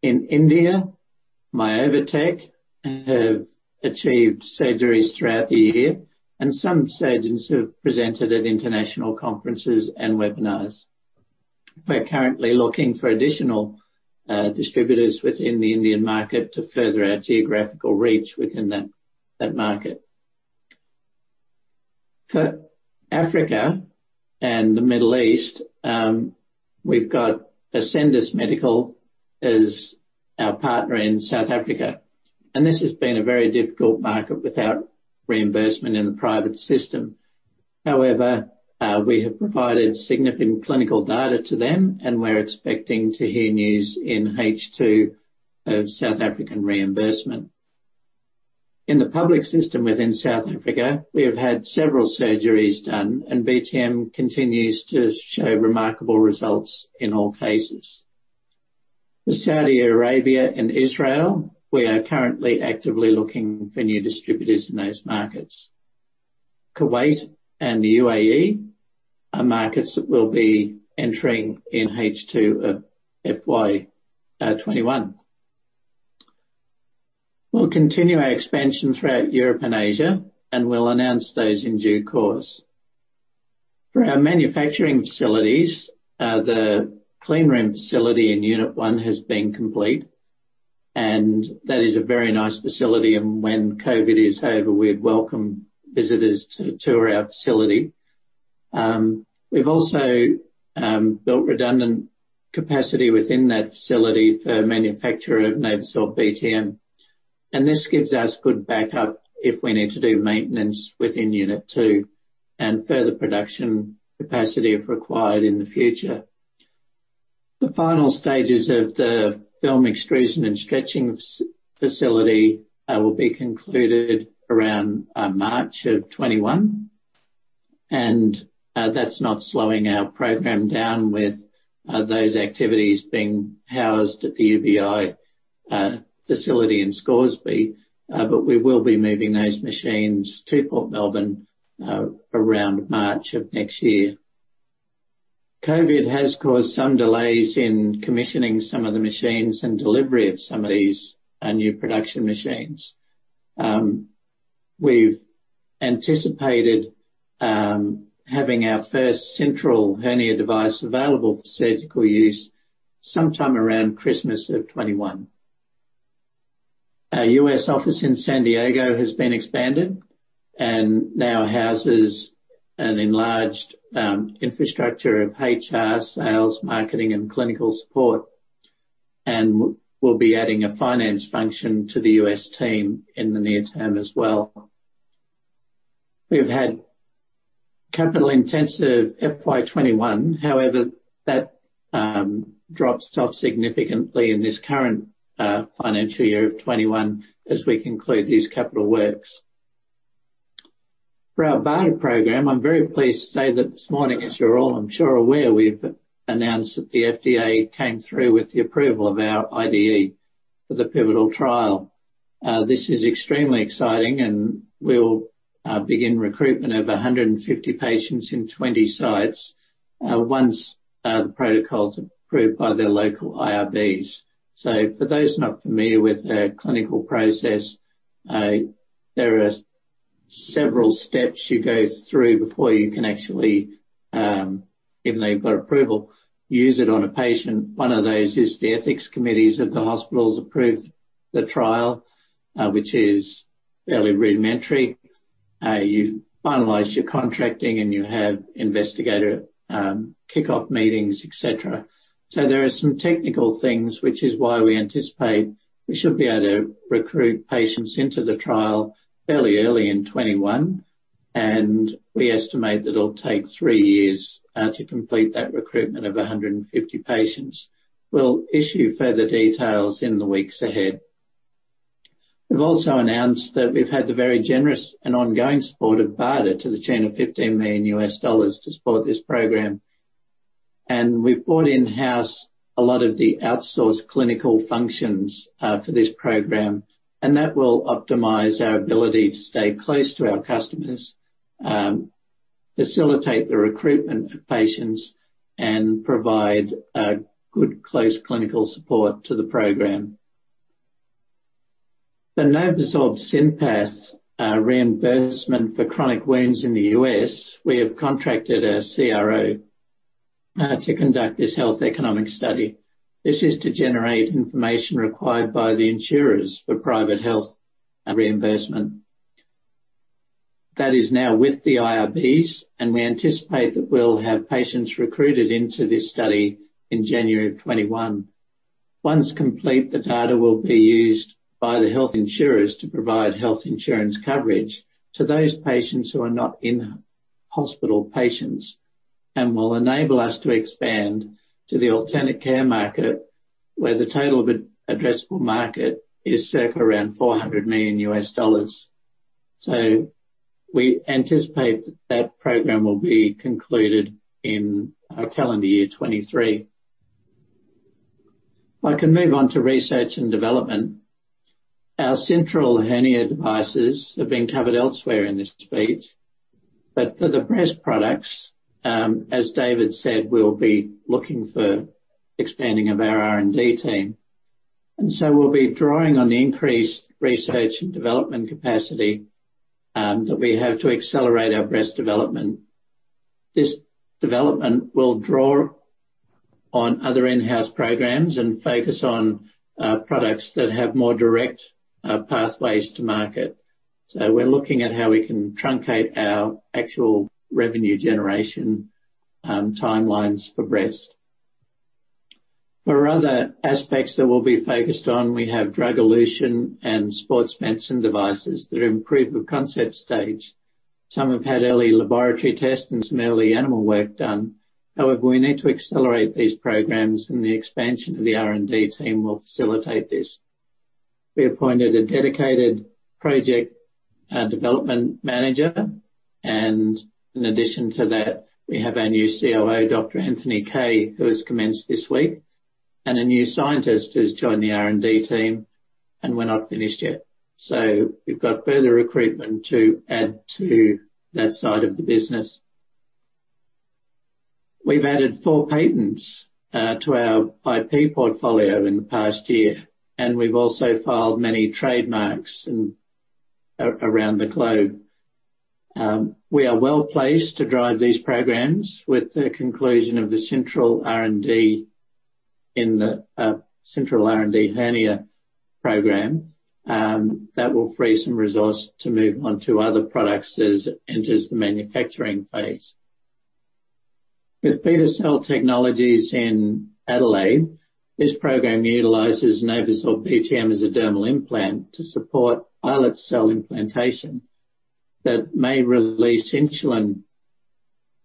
In India, Myovatec have achieved surgeries throughout the year, and some surgeons have presented at international conferences and webinars. We're currently looking for additional distributors within the Indian market to further our geographical reach within that market. For Africa and the Middle East, we've got Ascendis Medical as our partner in South Africa, and this has been a very difficult market without reimbursement in the private system. However, we have provided significant clinical data to them, and we're expecting to hear news in H2 of South African reimbursement. In the public system within South Africa, we have had several surgeries done, and BTM continues to show remarkable results in all cases. For Saudi Arabia and Israel, we are currently actively looking for new distributors in those markets. Kuwait and the UAE are markets that we'll be entering in H2 of FY 2021. We'll continue our expansion throughout Europe and Asia, and we'll announce those in due course. For our manufacturing facilities, the clean room facility in unit one has been complete, and that is a very nice facility, and when COVID is over, we'd welcome visitors to tour our facility. We've also built redundant capacity within that facility for manufacturer of NovoSorb BTM, and this gives us good backup if we need to do maintenance within unit two and further production capacity, if required, in the future. The final stages of the film extrusion and stretching facility will be concluded around March of 2021, and that's not slowing our program down with those activities being housed at the UBA facility in Scoresby, but we will be moving those machines to Port Melbourne around March of next year. COVID has caused some delays in commissioning some of the machines and delivery of some of these new production machines. We've anticipated having our first central hernia device available for surgical use sometime around Christmas of 2021. Our U.S. office in San Diego has been expanded and now houses an enlarged infrastructure of HR, sales, marketing, and clinical support, and we'll be adding a finance function to the U.S. team in the near term as well. We've had capital-intensive FY 2021. However, that drops off significantly in this current financial year of 2021 as we conclude these capital works. For our BARDA program, I'm very pleased to say that this morning, as you're all I'm sure aware, we've announced that the FDA came through with the approval of our IDA for the pivotal trial. This is extremely exciting, and we'll begin recruitment of 150 patients in 20 sites once the protocol's approved by their local IRBs. For those not familiar with the clinical process, there are several steps you go through before you can actually, even though you've got approval, use it on a patient. One of those is the ethics committees of the hospitals approve the trial, which is fairly rudimentary. You've finalized your contracting, and you have investigator kickoff meetings, et cetera. There are some technical things, which is why we anticipate we should be able to recruit patients into the trial fairly early in 2021, and we estimate that it will take three years to complete that recruitment of 150 patients. We will issue further details in the weeks ahead. We have also announced that we have had the very generous and ongoing support of BARDA to the tune of $15 million to support this program. We have brought in-house a lot of the outsourced clinical functions for this program, and that will optimize our ability to stay close to our customers, facilitate the recruitment of patients, and provide good, close clinical support to the program. The NovoSorb SynPath reimbursement for chronic wounds in the U.S., we have contracted a CRO to conduct this health economic study. This is to generate information required by the insurers for private health reimbursement. That is now with the IRBs. We anticipate that we'll have patients recruited into this study in January of 2021. Once complete, the data will be used by the health insurers to provide health insurance coverage to those patients who are not in-hospital patients and will enable us to expand to the alternate care market, where the total addressable market is circa around $400 million. We anticipate that program will be concluded in calendar year 2023. I can move on to research and development. Our central hernia devices have been covered elsewhere in this speech. For the breast products, as David said, we'll be looking for expanding of our R&D team. We'll be drawing on the increased research and development capacity that we have to accelerate our breast development. This development will draw on other in-house programs and focus on products that have more direct pathways to market. We're looking at how we can truncate our actual revenue generation, timelines for breast. For other aspects that we'll be focused on, we have drug elution and sports medicine devices that are in proof-of-concept stage. Some have had early laboratory tests, and some early animal work done. However, we need to accelerate these programs, and the expansion of the R&D team will facilitate this. We appointed a dedicated project development manager, and in addition to that, we have our new COO, Dr. Anthony Kaye, who has commenced this week, and a new scientist who's joined the R&D team, and we're not finished yet. We've got further recruitment to add to that side of the business. We've added four patents to our IP portfolio in the past year, and we've also filed many trademarks around the globe. We are well-placed to drive these programs with the conclusion of the central R&D hernia program, that will free some resource to move on to other products as it enters the manufacturing phase. With Beta Cell Technologies in Adelaide, this program utilizes NovoSorb BTM as a dermal implant to support islet cell implantation that may release insulin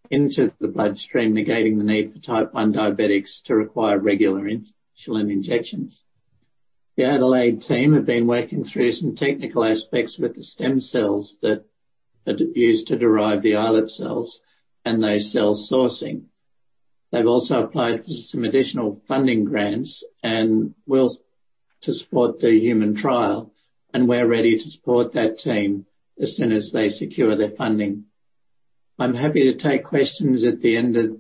into the bloodstream, negating the need for type 1 diabetics to require regular insulin injections. The Adelaide team have been working through some technical aspects with the stem cells that are used to derive the islet cells and their cell sourcing. They've also applied for some additional funding grants to support the human trial, and we're ready to support that team as soon as they secure their funding. I'm happy to take questions at the end of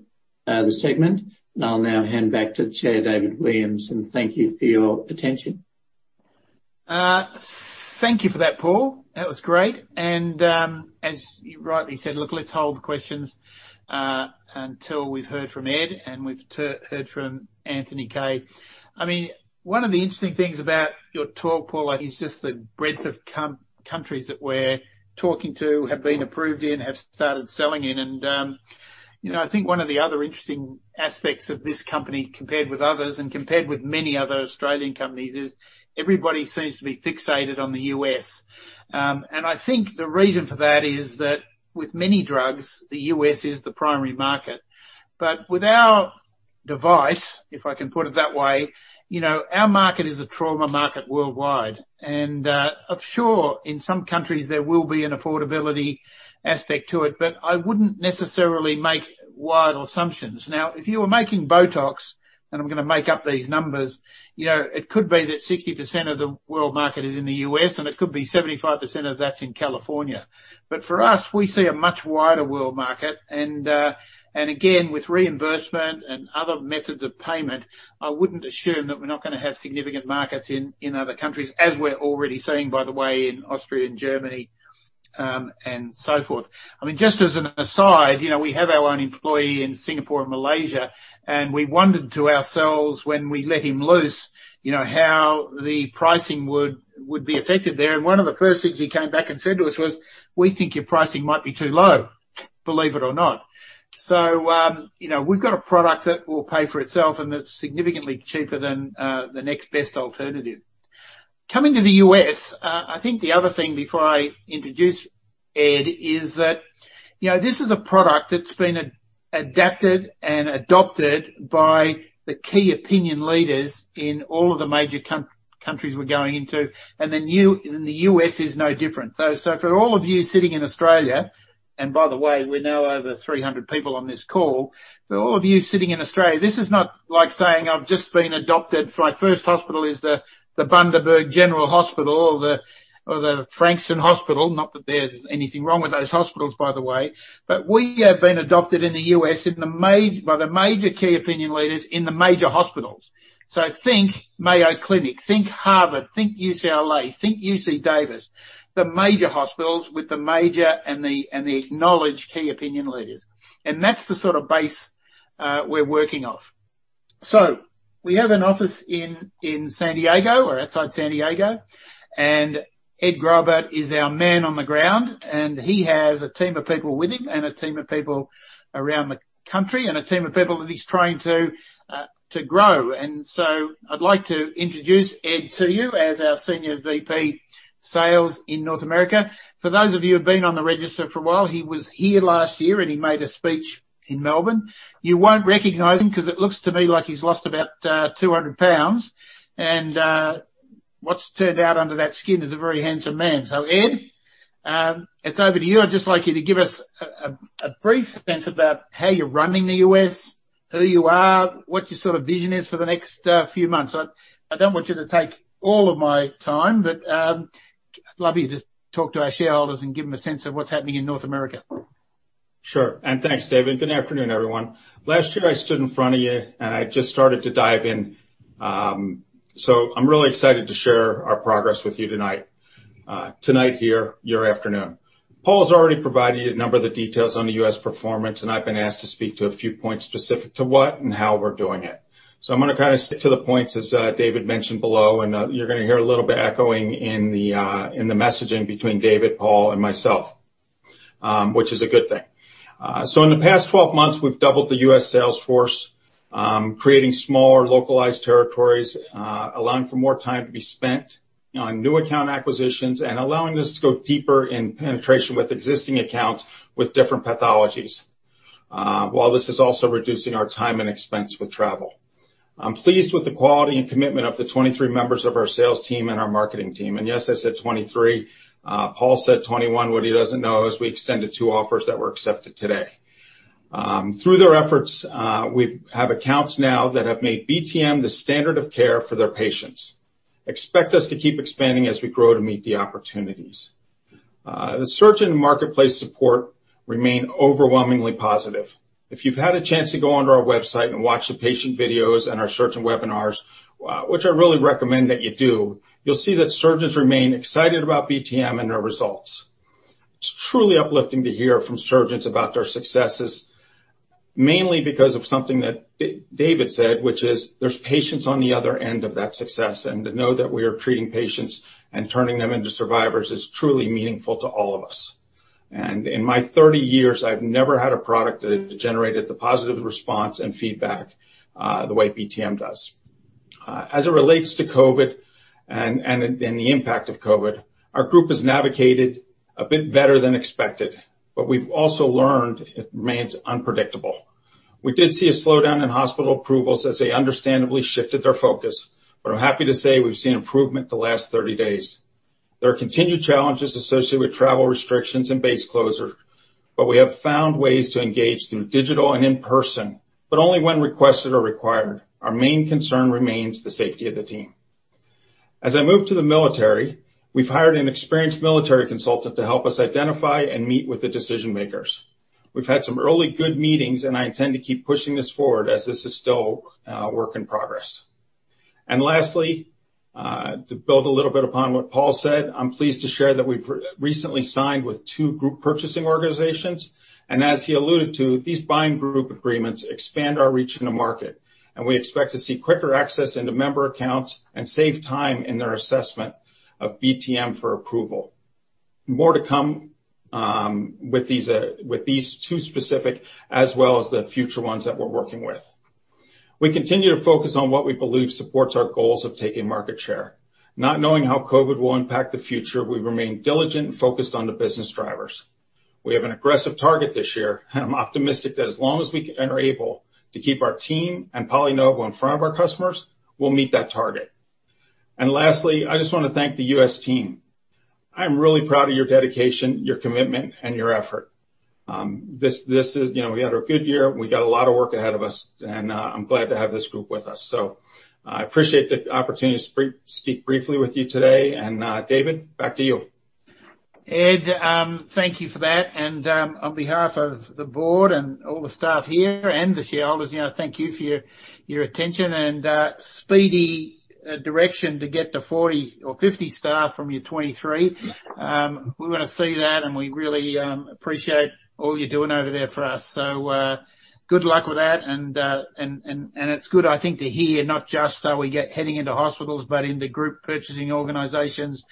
the segment. I'll now hand back to Chair David Williams. Thank you for your attention. Thank you for that, Paul. That was great. As you rightly said, look, let's hold the questions until we've heard from Ed and we've heard from Anthony Kaye. One of the interesting things about your talk, Paul, is just the breadth of countries that we're talking to, have been approved in, have started selling in. I think one of the other interesting aspects of this company, compared with others and compared with many other Australian companies, is everybody seems to be fixated on the U.S. I think the reason for that is that with many drugs, the U.S. is the primary market. With our device, if I can put it that way, our market is a trauma market worldwide. Sure, in some countries, there will be an affordability aspect to it, but I wouldn't necessarily make wild assumptions. Now, if you were making Botox, and I'm gonna make up these numbers, it could be that 60% of the world market is in the U.S., and it could be 75% of that's in California. For us, we see a much wider world market and, again, with reimbursement and other methods of payment, I wouldn't assume that we're not gonna have significant markets in other countries, as we're already seeing, by the way, in Austria and Germany, and so forth. Just as an aside, we have our own employee in Singapore and Malaysia, and we wondered to ourselves when we let him loose, how the pricing would be affected there. One of the first things he came back and said to us was, "We think your pricing might be too low," believe it or not. We've got a product that will pay for itself, and that's significantly cheaper than the next best alternative. Coming to the U.S., I think the other thing before I introduce Ed is that this is a product that's been adapted and adopted by the key opinion leaders in all of the major countries we're going into, and the U.S. is no different. For all of you sitting in Australia, and by the way, we're now over 300 people on this call. For all of you sitting in Australia, this is not like saying, "I've just been adopted. My first hospital is the Bundaberg General Hospital or the Frankston Hospital." Not that there's anything wrong with those hospitals, by the way. We have been adopted in the U.S. by the major key opinion leaders in the major hospitals. Think Mayo Clinic, think Harvard, think UCLA, think UC Davis, the major hospitals with the major and the acknowledged key opinion leaders. That's the sort of base we're working off. We have an office in San Diego or outside San Diego, and Ed Graubart is our man on the ground, and he has a team of people with him and a team of people around the country and a team of people that he's trying to grow. I'd like to introduce Ed to you as our Senior VP Sales in North America. For those of you who've been on the register for a while, he was here last year, and he made a speech in Melbourne. You won't recognize him because it looks to me like he's lost about 200 pounds, and what's turned out under that skin is a very handsome man. Ed, it's over to you. I'd just like you to give us a brief sense about how you're running the U.S., who you are, what your vision is for the next few months. I don't want you to take all of my time. I'd love you to talk to our shareholders and give them a sense of what's happening in North America. Sure. Thanks, David. Good afternoon, everyone. Last year, I stood in front of you. I just started to dive in. I'm really excited to share our progress with you tonight here, your afternoon. Paul's already provided you a number of the details on the U.S. performance. I've been asked to speak to a few points specific to what and how we're doing it. I'm going to stick to the points as David mentioned below. You're going to hear a little bit echoing in the messaging between David, Paul, and myself, which is a good thing. In the past 12 months, we've doubled the U.S. sales force, creating smaller localized territories, allowing for more time to be spent on new account acquisitions, and allowing us to go deeper in penetration with existing accounts with different pathologies. While this is also reducing our time and expense with travel. I'm pleased with the quality and commitment of the 23 members of our sales team and our marketing team. Yes, I said 23. Paul said 21. What he doesn't know is we extended two offers that were accepted today. Through their efforts, we have accounts now that have made BTM the standard of care for their patients. Expect us to keep expanding as we grow to meet the opportunities. The surgeon marketplace support remain overwhelmingly positive. If you've had a chance to go onto our website and watch the patient videos and our surgeon webinars, which I really recommend that you do, you'll see that surgeons remain excited about BTM and their results. It's truly uplifting to hear from surgeons about their successes, mainly because of something that David said, which is there's patients on the other end of that success, and to know that we are treating patients and turning them into survivors is truly meaningful to all of us. In my 30 years, I've never had a product that has generated the positive response and feedback the way BTM does. As it relates to COVID and the impact of COVID, our group has navigated a bit better than expected, but we've also learned it remains unpredictable. We did see a slowdown in hospital approvals as they understandably shifted their focus, but I'm happy to say we've seen improvement the last 30 days. There are continued challenges associated with travel restrictions and base closures, but we have found ways to engage through digital and in-person, but only when requested or required. Our main concern remains the safety of the team. As I move to the military, we've hired an experienced military consultant to help us identify and meet with the decision-makers. We've had some early good meetings, and I intend to keep pushing this forward as this is still a work in progress. Lastly, to build a little bit upon what Paul said, I'm pleased to share that we've recently signed with two group purchasing organizations, and as he alluded to, these buying group agreements expand our reach in the market, and we expect to see quicker access into member accounts and save time in their assessment of BTM for approval. More to come with these two specific as well as the future ones that we're working with. We continue to focus on what we believe supports our goals of taking market share. Not knowing how COVID will impact the future, we remain diligent and focused on the business drivers. We have an aggressive target this year, and I'm optimistic that as long as we are able to keep our team and PolyNovo in front of our customers, we'll meet that target. Lastly, I just want to thank the U.S. team. I am really proud of your dedication, your commitment, and your effort. We had a good year. We got a lot of work ahead of us, and I'm glad to have this group with us. I appreciate the opportunity to speak briefly with you today. David, back to you. Ed, thank you for that. On behalf of the board and all the staff here and the shareholders, thank you for your attention and speedy direction to get to 40 or 50 staff from your 23. We want to see that, and we really appreciate all you're doing over there for us. Good luck with that, and it's good, I think to hear not just are we heading into hospitals but into Group Purchasing Organizations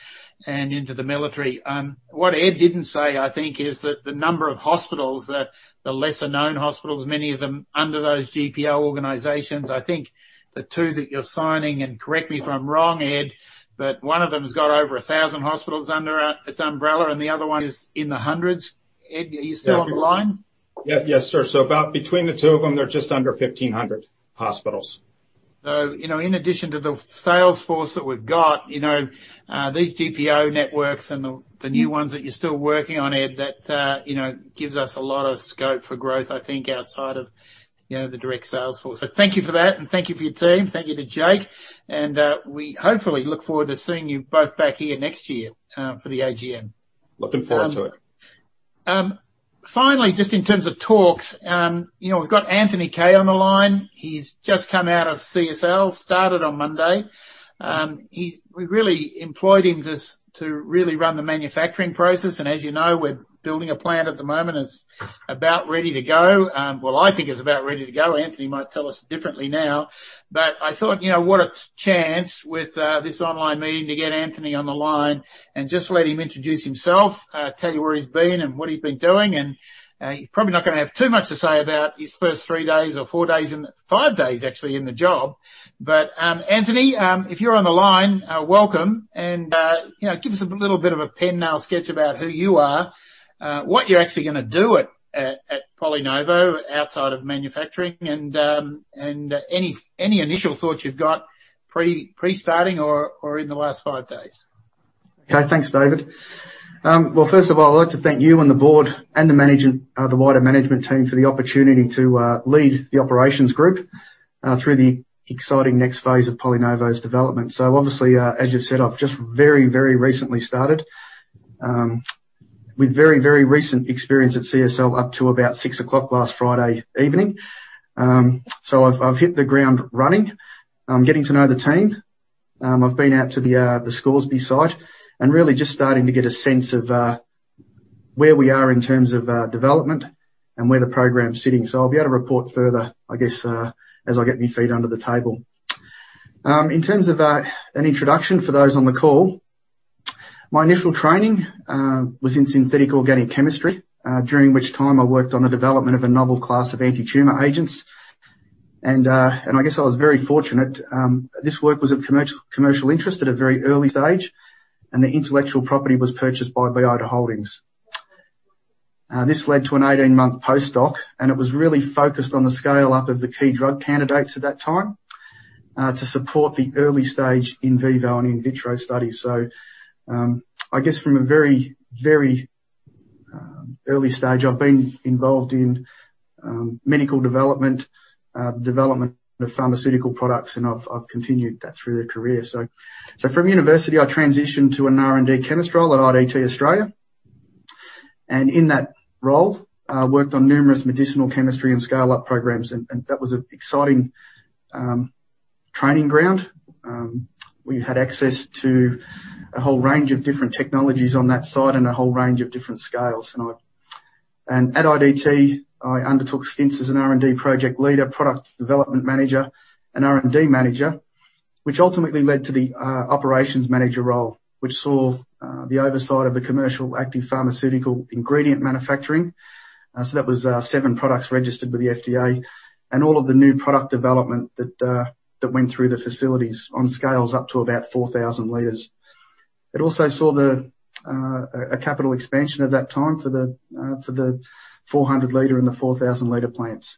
and into the military. What Ed didn't say, I think, is that the number of hospitals, the lesser-known hospitals, many of them under those GPO organizations. I think the two that you're signing, and correct me if I'm wrong, Ed, but one of them has got over 1,000 hospitals under its umbrella, and the other one is in the hundreds. Ed, are you still on the line? Yep. Yes, sir. About between the two of them, they're just under 1,500 hospitals. In addition to the sales force that we've got, these GPO networks and the new ones that you're still working on, Ed, that gives us a lot of scope for growth, I think, outside of the direct sales force. Thank you for that, and thank you for your team. Thank you to Jake. We hopefully look forward to seeing you both back here next year for the AGM. Looking forward to it. Finally, just in terms of talks, we've got Anthony Kaye on the line. He's just come out of CSL, started on Monday. We really employed him to really run the manufacturing process, and as you know, we're building a plant at the moment. It's about ready to go. Well, I think it's about ready to go. Anthony might tell us differently now. I thought, what a chance with this online meeting to get Anthony on the line and just let him introduce himself, tell you where he's been and what he's been doing. He's probably not going to have too much to say about his first three days or four days, five days, actually, in the job. Anthony, if you're on the line, welcome. Give us a little bit of a thumbnail sketch about who you are, what you're actually gonna do at PolyNovo outside of manufacturing, and any initial thoughts you've got pre-starting or in the last five days. Okay. Thanks, David. First of all, I'd like to thank you and the board and the wider management team for the opportunity to lead the operations group through the exciting next phase of PolyNovo's development. Obviously, as you've said, I've just very recently started with very recent experience at CSL up to about six o'clock last Friday evening. I've hit the ground running. I'm getting to know the team. I've been out to the Scoresby site and really just starting to get a sense of where we are in terms of development and where the program's sitting. I'll be able to report further, I guess, as I get my feet under the table. In terms of an introduction for those on the call, my initial training was in synthetic organic chemistry, during which time I worked on the development of a novel class of anti-tumor agents. I guess I was very fortunate. This work was of commercial interest at a very early stage, and the intellectual property was purchased by Biota Holdings. This led to an 18-month postdoc, and it was really focused on the scale-up of the key drug candidates at that time to support the early-stage in vivo and in vitro studies. I guess from a very early stage, I've been involved in medical development of pharmaceutical products, and I've continued that through the career. From university, I transitioned to an R&D chemist role at IDT Australia. In that role, I worked on numerous medicinal chemistry and scale-up programs, and that was an exciting training ground. We had access to a whole range of different technologies on that site and a whole range of different scales. At IDT, I undertook stints as an R&D project leader, product development manager, and R&D manager, which ultimately led to the operations manager role, which saw the oversight of the commercial active pharmaceutical ingredient manufacturing. That was seven products registered with the FDA, and all of the new product development that went through the facilities on scales up to about 4,000 liters. It also saw a capital expansion at that time for the 400-liter and the 4,000-liter plants.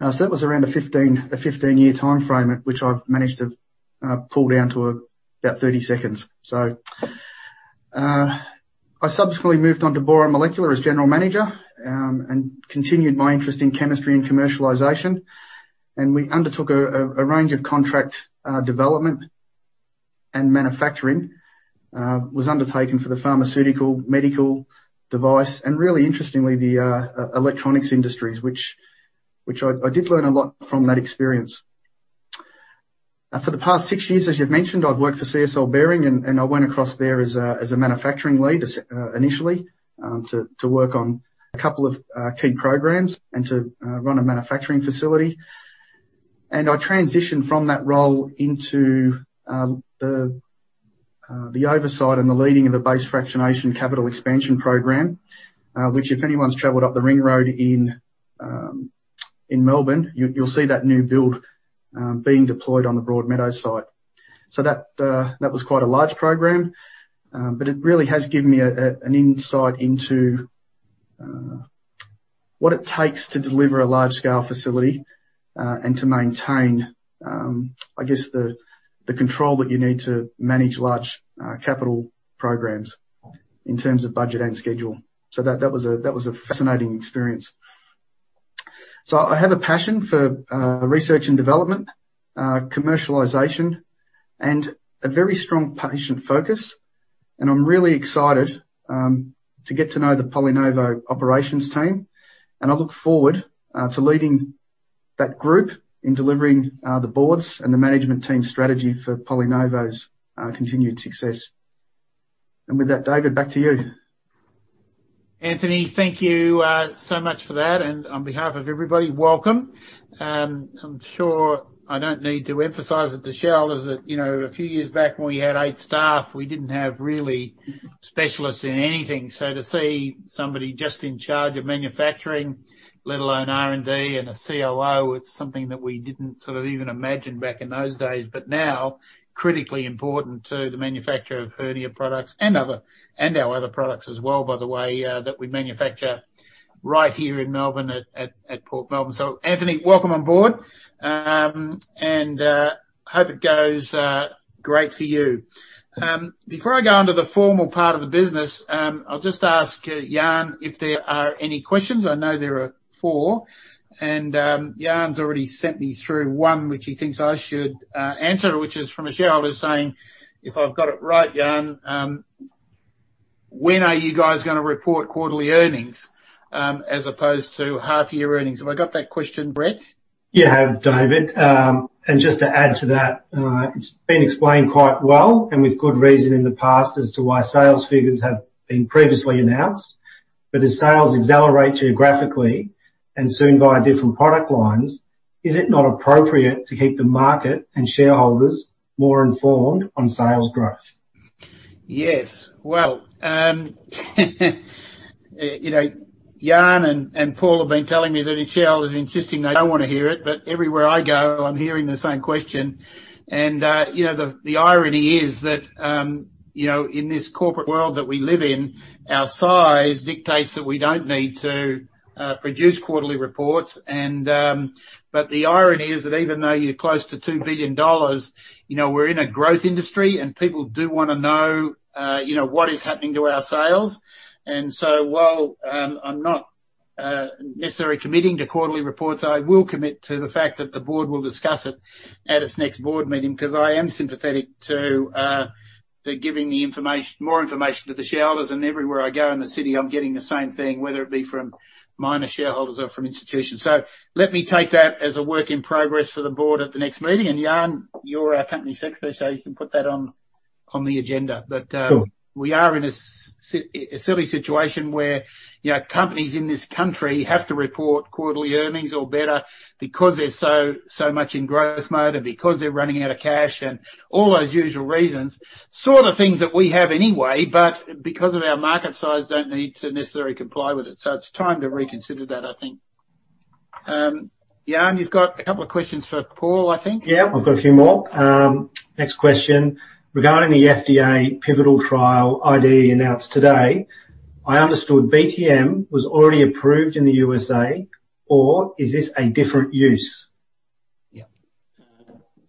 That was around a 15-year timeframe, which I've managed to pull down to about 30 seconds. I subsequently moved on to Boron Molecular as general manager, and continued my interest in chemistry and commercialization. We undertook a range of contract development and manufacturing, was undertaken for the pharmaceutical, medical device, and, really interestingly, the electronics industries, which I did learn a lot from that experience. For the past six years, as you've mentioned, I've worked for CSL Behring. I went across there as a manufacturing lead, initially, to work on a couple of key programs and to run a manufacturing facility. I transitioned from that role into the oversight and the leading of a base fractionation capital expansion program, which, if anyone's traveled up the ring road in Melbourne, you'll see that new build being deployed on the Broadmeadows site. That was quite a large program. It really has given me an insight into what it takes to deliver a large-scale facility and to maintain, I guess, the control that you need to manage large capital programs in terms of budget and schedule. That was a fascinating experience. I have a passion for research and development, commercialization, and a very strong patient focus, and I'm really excited to get to know the PolyNovo operations team, and I look forward to leading that group in delivering the boards and the management team's strategy for PolyNovo's continued success. With that, David, back to you. Anthony, thank you so much for that. On behalf of everybody, welcome. I'm sure I don't need to emphasize it to shareholders that a few years back, when we had eight staff, we didn't have really specialists in anything. To see somebody just in charge of manufacturing, let alone R&D and a COO, it's something that we didn't sort of even imagine back in those days. Now, critically important to the manufacture of hernia products and our other products as well, by the way, that we manufacture right here in Melbourne at Port Melbourne. Anthony, welcome on board. Hope it goes great for you. Before I go on to the formal part of the business, I'll just ask Jan if there are any questions. I know there are four, and Jan's already sent me through one, which he thinks I should answer, which is from a shareholder saying, if I've got it right, Jan, "When are you guys gonna report quarterly earnings, as opposed to half-year earnings?" Have I got that question, Brett? You have, David. Just to add to that, it's been explained quite well, and with good reason, in the past as to why sales figures have been previously announced. As sales accelerate geographically and soon via different product lines, is it not appropriate to keep the market and shareholders more informed on sales growth? Yes. Well, Jan and Paul have been telling me that a shareholder's insisting they don't want to hear it. Everywhere I go, I'm hearing the same question. The irony is that in this corporate world that we live in, our size dictates that we don't need to produce quarterly reports. The irony is that even though you're close to 2 billion dollars, we're in a growth industry. People do want to know what is happening to our sales. While I'm not committing to quarterly reports. I will commit to the fact that the board will discuss it at its next board meeting, because I am sympathetic to giving more information to the shareholders. Everywhere I go in the city, I'm getting the same thing, whether it be from minor shareholders or from institutions. Let me take that as a work in progress for the board at the next meeting. Jan, you're our Company Secretary, so you can put that on the agenda. Sure. We are in a silly situation where companies in this country have to report quarterly earnings or better because they're so much in growth mode and because they're running out of cash, and all those usual reasons. Sort of things that we have anyway, but because of our market size, don't need to necessarily comply with it. It's time to reconsider that, I think. Jan, you've got a couple of questions for Paul, I think. Yeah, I've got a few more. Next question, regarding the FDA pivotal trial IDE announced today, I understood BTM was already approved in the USA, or is this a different use? Yeah.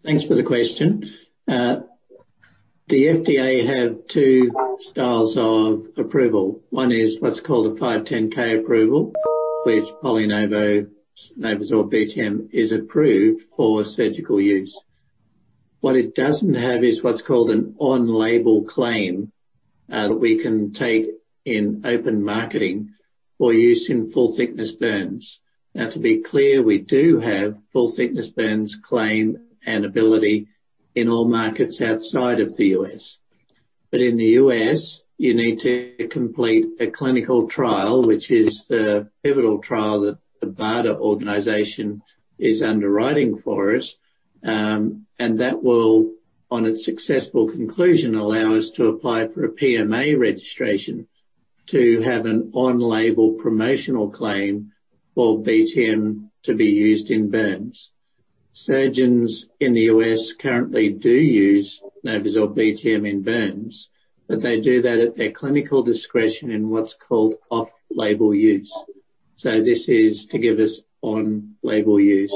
Thanks for the question. The FDA have two styles of approval. One is what's called a 510 approval, which PolyNovo's NovoSorb BTM is approved for surgical use. What it doesn't have is what's called an on-label claim, that we can take in open marketing for use in full-thickness burns. To be clear, we do have full-thickness burns claim and ability in all markets outside of the U.S. In the U.S., you need to complete a clinical trial, which is the pivotal trial that the BARDA organization is underwriting for us. That will, on its successful conclusion, allow us to apply for a PMA registration to have an on-label promotional claim for BTM to be used in burns. Surgeons in the U.S. currently do use NovoSorb BTM in burns, but they do that at their clinical discretion in what's called off-label use. This is to give us on-label use.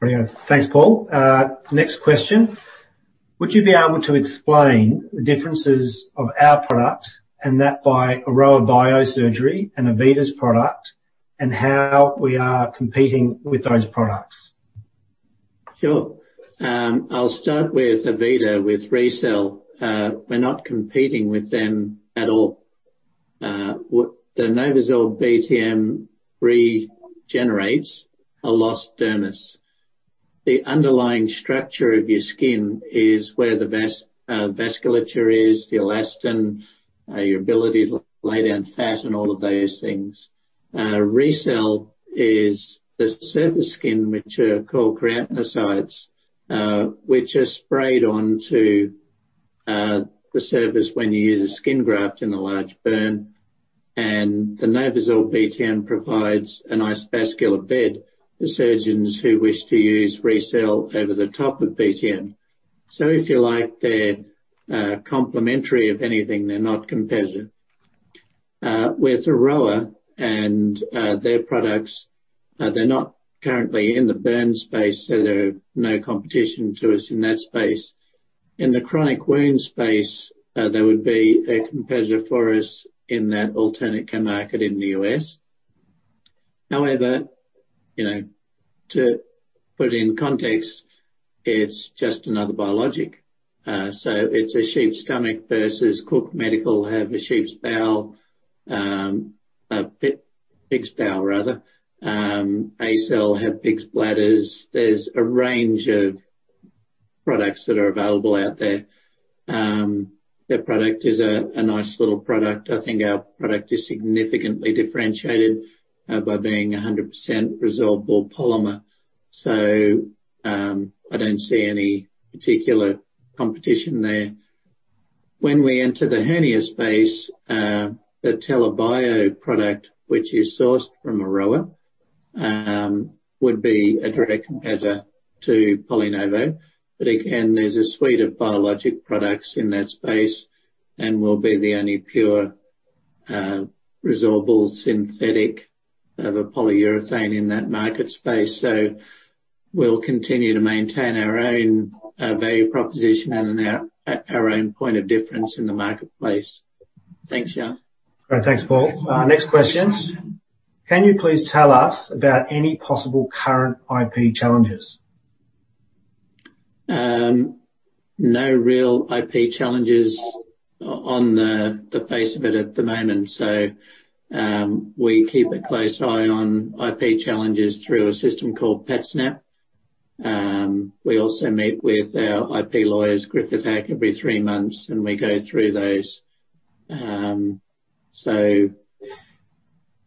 Brilliant. Thanks, Paul. Next question. Would you be able to explain the differences of our product and that by Aroa Biosurgery and AVITA's product, and how we are competing with those products? Sure. I will start with AVITA, with RECELL. We are not competing with them at all. What the NovoSorb BTM regenerates a lost dermis. The underlying structure of your skin is where the vasculature is, the elastin, your ability to lay down fat, and all of those things. RECELL is the surface skin, which are called keratinocytes, which are sprayed onto the surface when you use a skin graft in a large burn, and the NovoSorb BTM provides a nice vascular bed for surgeons who wish to use RECELL over the top of BTM. If you like, they are complementary. If anything, they are not competitive. With Aroa and their products, they are not currently in the burn space, so they are no competition to us in that space. In the chronic wound space, they would be a competitor for us in that alternate market in the U.S. To put it in context, it's just another biologic. It's a sheep's stomach versus Cook Medical have a sheep's bowel, a pig's bowel rather. ACell have pig's bladders. There's a range of products that are available out there. Their product is a nice little product. I think our product is significantly differentiated by being 100% resorbable polymer. I don't see any particular competition there. When we enter the hernia space, the TELA Bio product, which is sourced from Aroa, would be a direct competitor to PolyNovo. Again, there's a suite of biologic products in that space, and we'll be the only pure resorbable synthetic of a polyurethane in that market space. We'll continue to maintain our own value proposition and our own point of difference in the marketplace. Thanks, Jan. Great. Thanks, Paul. Next question. Can you please tell us about any possible current IP challenges? No real IP challenges on the face of it at the moment. We keep a close eye on IP challenges through a system called PatSnap. We also meet with our IP lawyers, Griffith Hack, every three months, and we go through those.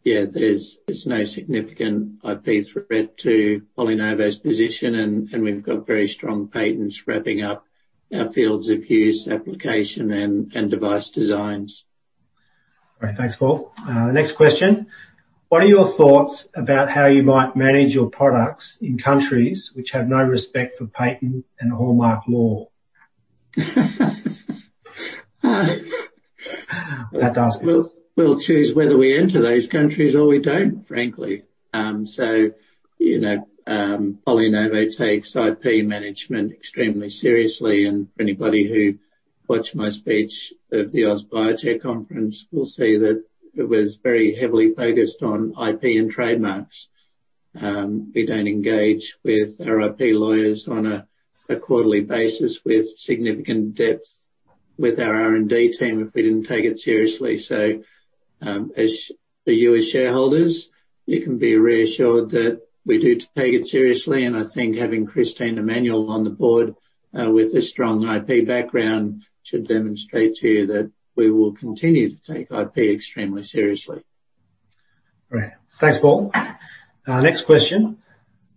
Yeah, there's no significant IP threat to PolyNovo's position, and we've got very strong patents wrapping up our fields of use, application, and device designs. All right. Thanks, Paul. Next question. What are your thoughts about how you might manage your products in countries which have no respect for patent and trademark law? We'll choose whether we enter those countries or we don't, frankly. PolyNovo takes IP management extremely seriously, and for anybody who watched my speech at the AusBiotech conference, we'll see that it was very heavily focused on IP and trademarks. We don't engage with our IP lawyers on a quarterly basis with significant depth with our R&D team if we didn't take it seriously. As for you, as shareholders, you can be reassured that we do take it seriously. I think having Christine Emmanuel on the board, with a strong IP background, should demonstrate to you that we will continue to take IP extremely seriously. Great. Thanks, Paul. Next question.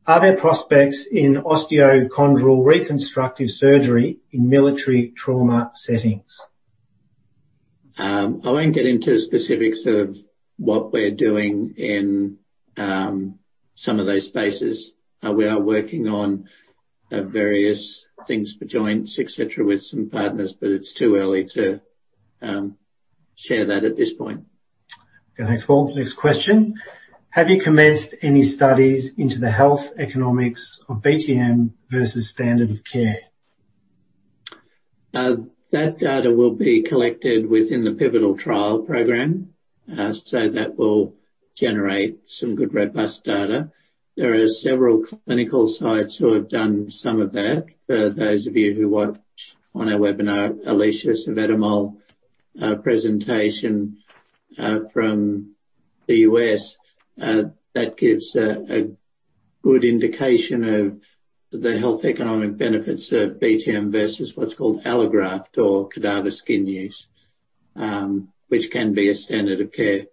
Are there prospects in osteochondral reconstructive surgery in military trauma settings? I won't get into specifics of what we're doing in some of those spaces. We are working on various things for joints, et cetera, with some partners, but it's too early to share that at this point. Okay. Thanks, Paul. Next question. Have you commenced any studies into the health economics of BTM versus standard of care? That data will be collected within the pivotal trial program, that will generate some good, robust data. There are several clinical sites who have done some of that. For those of you who watched on our webinar, Alisa Savetamal presentation from the U.S., that gives a good indication of the health economic benefits of BTM versus what's called allograft or cadaver skin use, which can be a standard of care.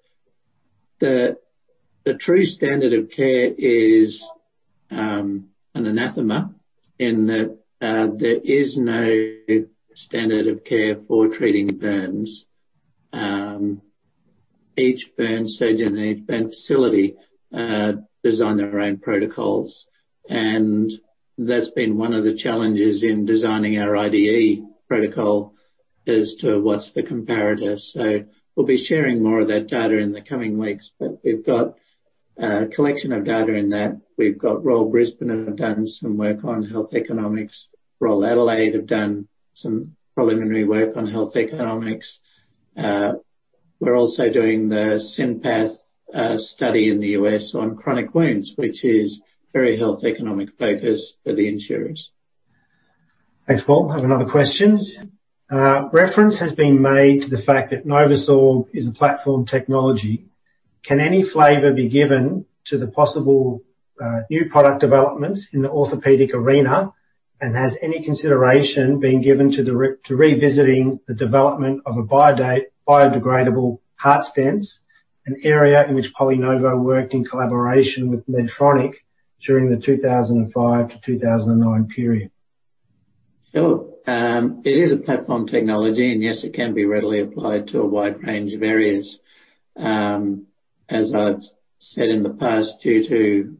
The true standard of care is an anathema in that there is no standard of care for treating burns. Each burn surgeon and each burn facility design their own protocols. That's been one of the challenges in designing our IDA protocol as to what's the comparator. We'll be sharing more of that data in the coming weeks. We've got a collection of data in that we've got Royal Brisbane have done some work on health economics. Royal Adelaide have done some preliminary work on health economics. We're also doing the SynPath study in the U.S. on chronic wounds, which is very health economic-focused for the insurers. Thanks, Paul. Have another question. Reference has been made to the fact that NovoSorb is a platform technology. Can any flavor be given to the possible new product developments in the orthopedic arena, and has any consideration been given to revisiting the development of a biodegradable heart stents, an area in which PolyNovo worked in collaboration with Medtronic during the 2005 to 2009 period? Sure. It is a platform technology, and yes, it can be readily applied to a wide range of areas. As I've said in the past, due to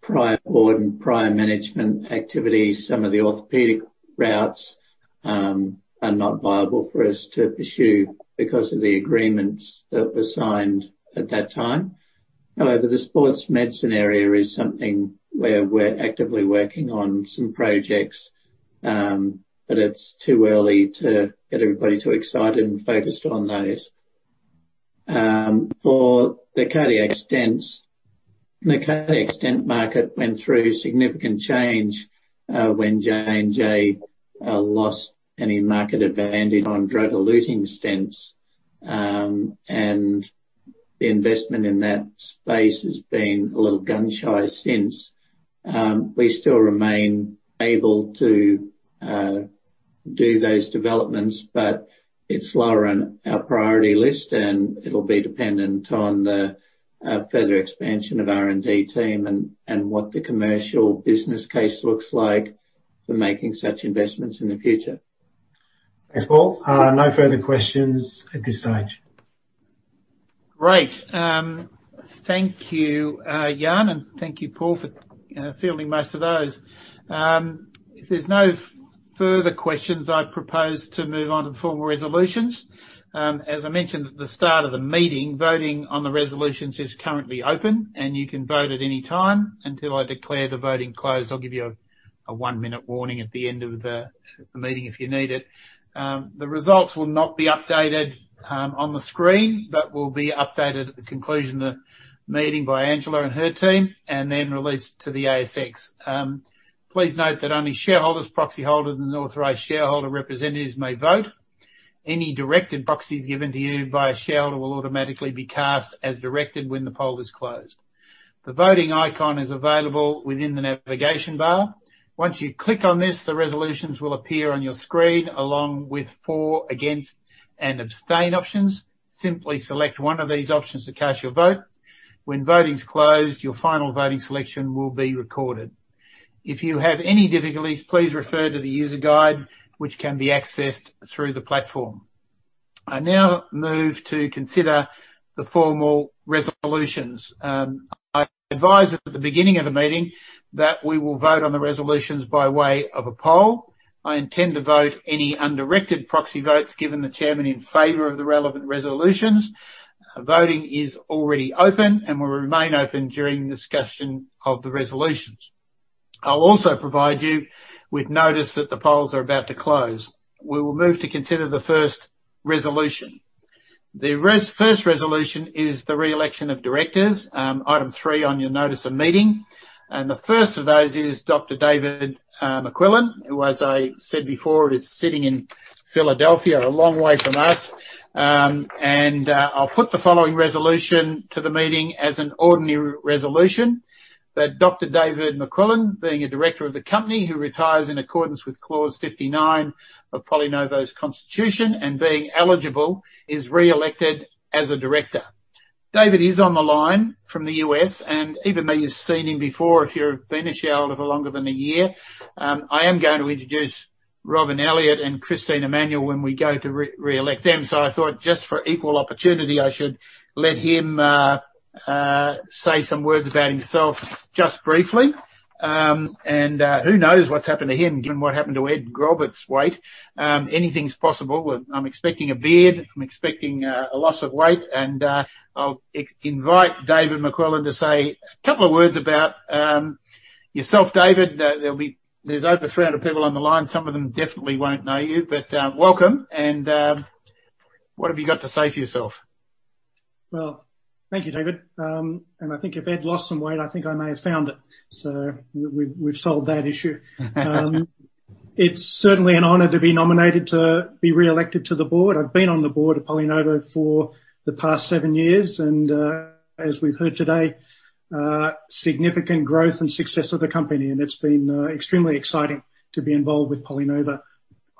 prior board and prior management activity, some of the orthopedic routes are not viable for us to pursue because of the agreements that were signed at that time. However, the sports medicine area is something where we're actively working on some projects, but it's too early to get everybody too excited and focused on those. For the cardiac stents, the cardiac stent market went through significant change when J&J lost any market advantage on drug-eluting stents. The investment in that space has been a little gun-shy since. We still remain able to do those developments, but it's lower on our priority list, and it'll be dependent on the further expansion of R&D team and what the commercial business case looks like for making such investments in the future. Thanks, Paul. No further questions at this stage. Great. Thank you, Jan, and thank you, Paul, for fielding most of those. If there's no further questions, I propose to move on to the formal resolutions. As I mentioned at the start of the meeting, voting on the resolutions is currently open. You can vote at any time until I declare the voting closed. I'll give you a one-minute warning at the end of the meeting if you need it. The results will not be updated on the screen, but will be updated at the conclusion of the meeting by Angela and her team, and then released to the ASX. Please note that only shareholders, proxyholders, and authorized shareholder representatives may vote. Any directed proxies given to you by a shareholder will automatically be cast as directed when the poll is closed. The voting icon is available within the navigation bar. Once you click on this, the resolutions will appear on your screen, along with for, against, and abstain options. Simply select one of these options to cast your vote. When voting's closed, your final voting selection will be recorded. If you have any difficulties, please refer to the user guide, which can be accessed through the platform. I now move to consider the formal resolutions. I advised at the beginning of the meeting that we will vote on the resolutions by way of a poll. I intend to vote any undirected proxy votes given the chairman in favor of the relevant resolutions. Voting is already open and will remain open during discussion of the resolutions. I'll also provide you with notice that the polls are about to close. We will move to consider the first resolution. The first resolution is the re-election of directors, item three on your notice of meeting. The first of those is Dr. David McQuillan, who, as I said before, is sitting in Philadelphia, a long way from us. I'll put the following resolution to the meeting as an ordinary resolution, that Dr. David McQuillan, being a director of the company who retires in accordance with Clause 59 of PolyNovo's Constitution and being eligible, is re-elected as a director. David is on the line from the U.S., and even though you've seen him before, if you've been a shareholder for longer than a year, I am going to introduce Robyn Elliott and Christine Emmanuel when we go to re-elect them. I thought, just for equal opportunity, I should let him say some words about himself, just briefly. Who knows what's happened to him, given what happened to Ed Graubart's weight? Anything's possible. I'm expecting a beard. I'm expecting a loss of weight. I'll invite David McQuillan to say a couple of words about yourself, David. There's over 300 people on the line. Some of them definitely won't know you, but welcome. What have you got to say for yourself? Well, thank you, David. I think if Ed lost some weight, I think I may have found it. We've solved that issue. It's certainly an honor to be nominated to be re-elected to the board. I've been on the board of PolyNovo for the past seven years, and as we've heard today, significant growth and success of the company. It's been extremely exciting to be involved with PolyNovo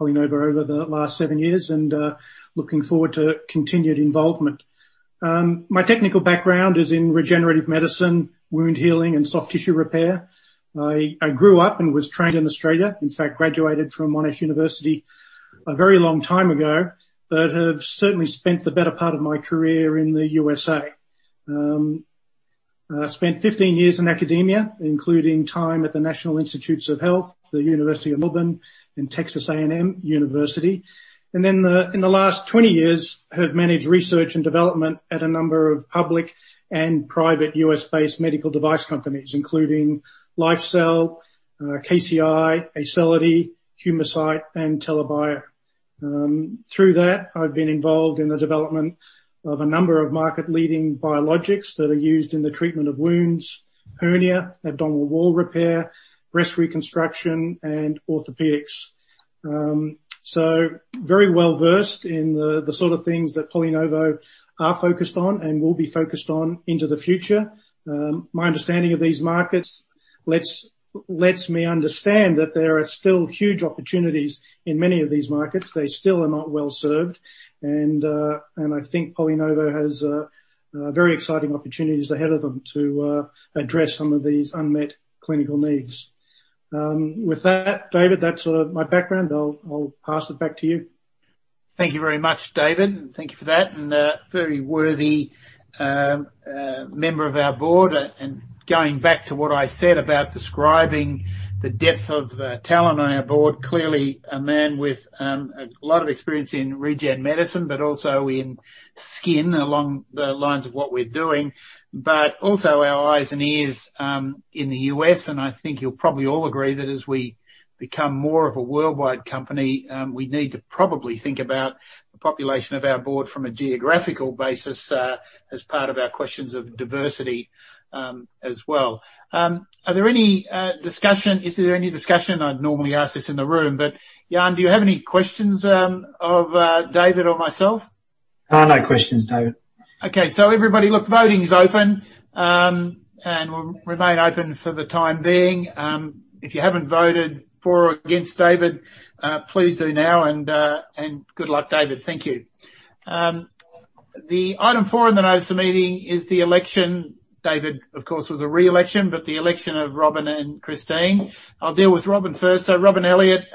over the last seven years, and looking forward to continued involvement. My technical background is in regenerative medicine, wound healing, and soft tissue repair. I grew up and was trained in Australia. In fact, graduated from Monash University a very long time ago, but have certainly spent the better part of my career in the U.S.A. I spent 15 years in academia, including time at the National Institutes of Health, the University of Melbourne, and Texas A&M University. In the last 20 years, have managed research and development at a number of public and private U.S.-based medical device companies, including LifeCell, KCI, Acelity, Humacyte, and TELA Bio. Through that, I've been involved in the development of a number of market-leading biologics that are used in the treatment of wounds, hernia, abdominal wall repair, breast reconstruction, and orthopedics. Very well-versed in the sort of things that PolyNovo are focused on and will be focused on into the future. My understanding of these markets lets me understand that there are still huge opportunities in many of these markets. They still are not well-served. I think PolyNovo has very exciting opportunities ahead of them to address some of these unmet clinical needs. With that, David, that's my background. I'll pass it back to you. Thank you very much, David, thank you for that, and a very worthy member of our board. Going back to what I said about describing the depth of talent on our board, clearly a man with a lot of experience in regen medicine, but also in skin, along the lines of what we're doing. Also, our eyes and ears in the U.S., and I think you'll probably all agree that as we become more of a worldwide company, we need to probably think about the population of our board from a geographical basis as part of our questions of diversity as well. Is there any discussion? I'd normally ask this in the room, but Jan, do you have any questions of David or myself? No questions, David. Okay. Everybody, look, voting is open, and will remain open for the time being. If you haven't voted for or against David, please do now, and good luck, David. Thank you. The item four in the notice of meeting is the election. David, of course, was a re-election, but the election of Robyn and Christine. I'll deal with Robyn first. Robyn Elliott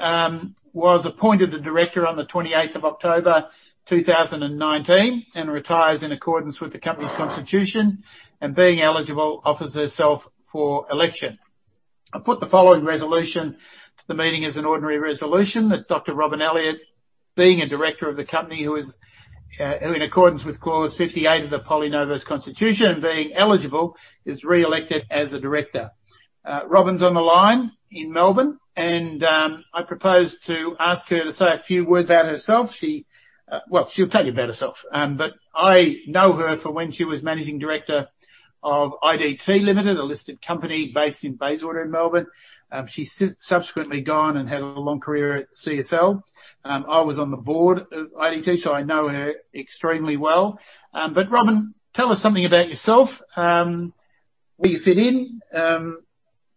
was appointed a director on the 28th of October 2019 and retires in accordance with the company's Constitution, and being eligible, offers herself for election. I put the following resolution to the meeting as an ordinary resolution, that Dr. Robyn Elliott, being a director of the company who, in accordance with Clause 58 of the PolyNovo's Constitution and being eligible, is re-elected as a director. Robyn's on the line in Melbourne, and I propose to ask her to say a few words about herself. Well, she'll tell you about herself. I know her from when she was managing director of IDT Limited, a listed company based in Bayswater in Melbourne. She's subsequently gone and had a long career at CSL. I was on the board of IDT, so I know her extremely well. Robyn, tell us something about yourself, where you fit in,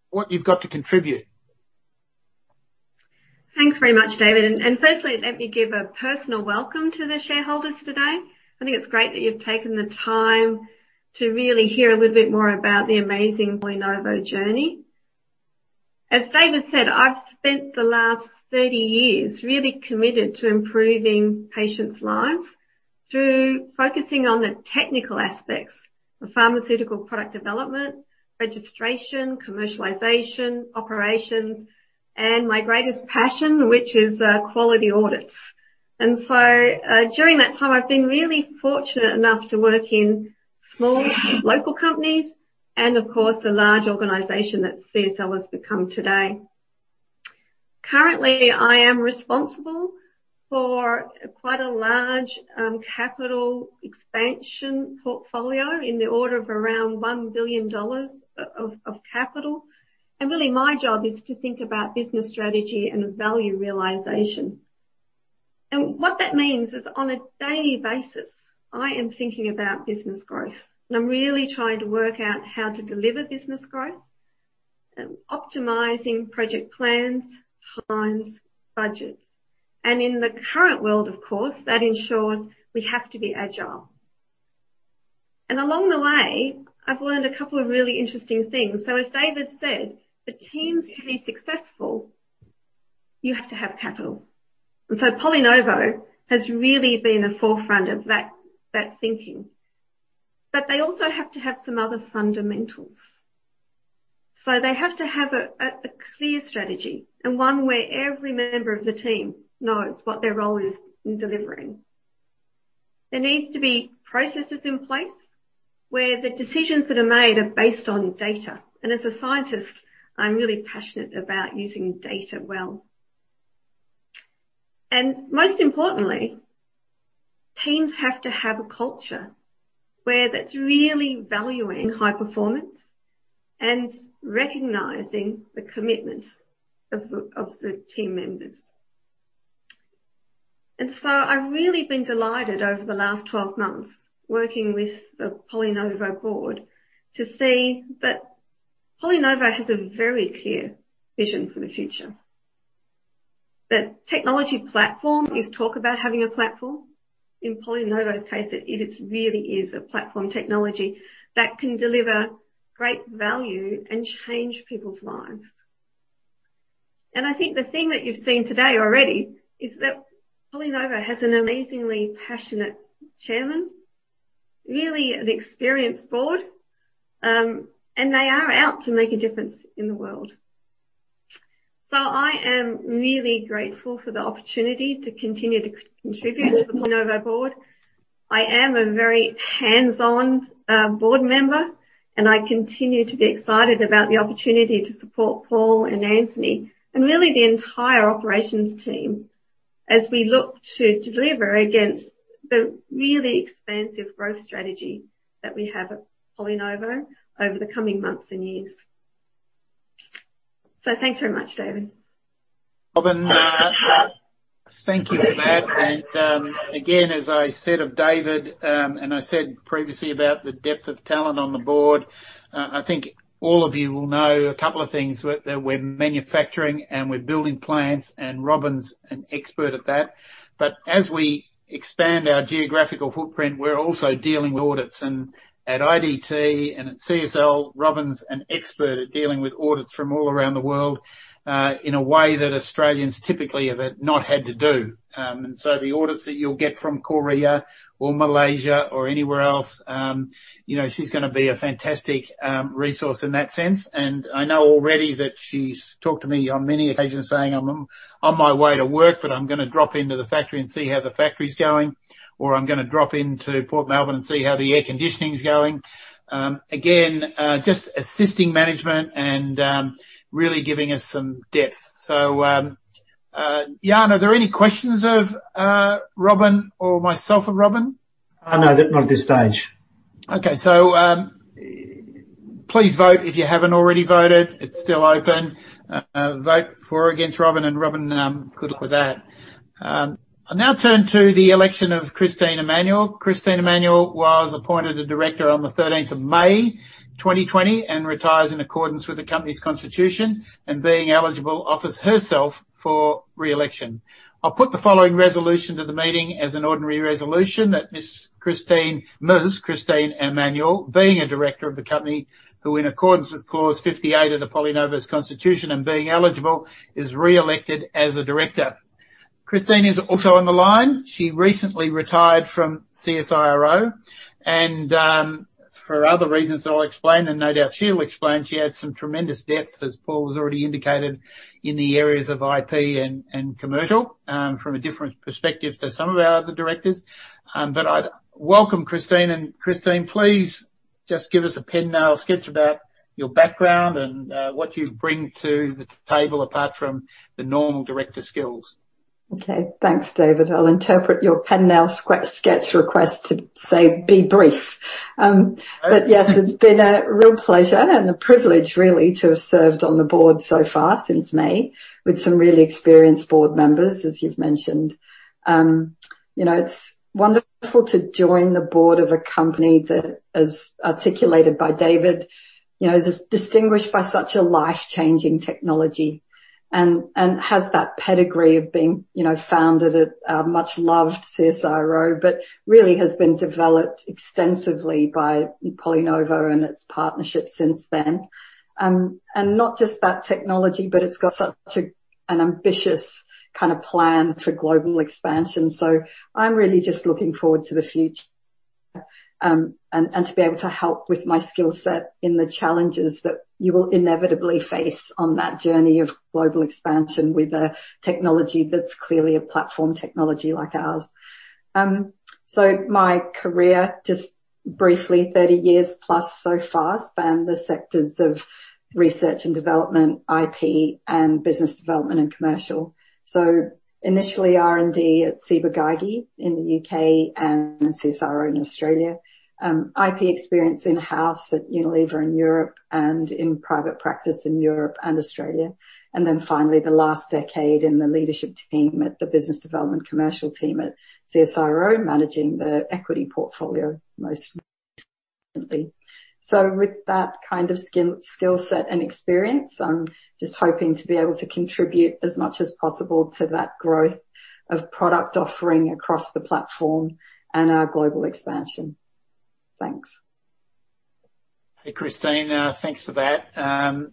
what you've got to contribute. Thanks very much, David. Firstly, let me give a personal welcome to the shareholders today. I think it's great that you've taken the time to really hear a little bit more about the amazing PolyNovo journey. As David said, I've spent the last 30 years really committed to improving patients' lives through focusing on the technical aspects of pharmaceutical product development, registration, commercialization, operations, and my greatest passion, which is quality audits. During that time, I've been really fortunate enough to work in small local companies and, of course, the large organization that CSL has become today. Currently, I am responsible for quite a large capital expansion portfolio in the order of around 1 billion dollars of capital. Really, my job is to think about business strategy and value realization. What that means is, on a daily basis, I am thinking about business growth, and I'm really trying to work out how to deliver business growth, optimizing project plans, timelines, budgets. In the current world, of course, that ensures we have to be agile. Along the way, I've learned a couple of really interesting things. As David said, for teams to be successful, you have to have capital. PolyNovo has really been at the forefront of that thinking. They also have to have some other fundamentals. They have to have a clear strategy, and one where every member of the team knows what their role is in delivering. There needs to be processes in place where the decisions that are made are based on data. As a scientist, I'm really passionate about using data well. Most importantly, teams have to have a culture where that's really valuing high performance and recognizing the commitment of the team members. I've really been delighted over the last 12 months working with the PolyNovo board to see that PolyNovo has a very clear vision for the future. The technology platform is talk about having a platform. In PolyNovo's case, it really is a platform technology that can deliver great value and change people's lives. I think the thing that you've seen today already is that PolyNovo has an amazingly passionate chairman, really an experienced board, and they are out to make a difference in the world. I am really grateful for the opportunity to continue to contribute to the PolyNovo board. I am a very hands-on board member, and I continue to be excited about the opportunity to support Paul and Anthony and really the entire operations team as we look to deliver against the really expansive growth strategy that we have at PolyNovo over the coming months and years. Thanks very much, David. Robyn, thank you for that. Again, as I said of David, and I said previously about the depth of talent on the board, I think all of you will know a couple of things. That we're manufacturing, and we're building plants, and Robyn's an expert at that. As we expand our geographical footprint, we're also dealing with audits. At IDT and at CSL, Robyn's an expert at dealing with audits from all around the world, in a way that Australians typically have not had to do. The audits that you'll get from Korea or Malaysia or anywhere else, she's going to be a fantastic resource in that sense. I know already that she's talked to me on many occasions, saying, "I'm on my way to work, but I'm going to drop into the factory and see how the factory's going," or, "I'm going to drop into Port Melbourne and see how the air conditioning's going." Again, just assisting management and really giving us some depth. Jan, are there any questions of Robyn or myself of Robyn? No, not at this stage. Okay. Please vote if you haven't already voted. It's still open. Vote for or against Robyn. Robyn, good luck with that. I now turn to the election of Christine Emmanuel. Christine Emmanuel was appointed a director on the 13th of May 2020 and retires in accordance with the company's Constitution, and being eligible, offers herself for re-election. I'll put the following resolution to the meeting as an ordinary resolution that Ms. Christine Emmanuel, being a director of the company, who in accordance with Clause 58 of the PolyNovo's Constitution and being eligible, is re-elected as a director. Christine is also on the line. She recently retired from CSIRO. For other reasons that I'll explain and no doubt she'll explain, she adds some tremendous depth, as Paul has already indicated, in the areas of IP and commercial, from a different perspective to some of our other directors. I welcome Christine. Christine, please just give us a thumbnail sketch about your background and what you bring to the table apart from the normal director skills. Okay. Thanks, David. I'll interpret your pen nail sketch request to say be brief. Yes, it's been a real pleasure and a privilege, really, to have served on the board so far since May with some really experienced board members, as you've mentioned. It's wonderful to join the board of a company that, as articulated by David, is distinguished by such a life-changing technology and has that pedigree of being founded at our much-loved CSIRO, but really has been developed extensively by PolyNovo and its partnerships since then. Not just that technology, but it's got such an ambitious plan for global expansion. I'm really just looking forward to the future. To be able to help with my skill set in the challenges that you will inevitably face on that journey of global expansion, with a technology that's clearly a platform technology like ours. My career, just briefly, 30+ years so far, spanned the sectors of research and development, IP, and business development, and commercial. Initially, R&D at Ciba-Geigy in the U.K. and CSIRO in Australia. IP experience in-house at Unilever in Europe and in private practice in Europe and Australia. Finally, the last decade in the leadership team at the business development commercial team at CSIRO, managing the equity portfolio most recently. With that kind of skill set and experience, I'm just hoping to be able to contribute as much as possible to that growth of product offering across the platform and our global expansion. Thanks. Hey, Christine. Thanks for that. Are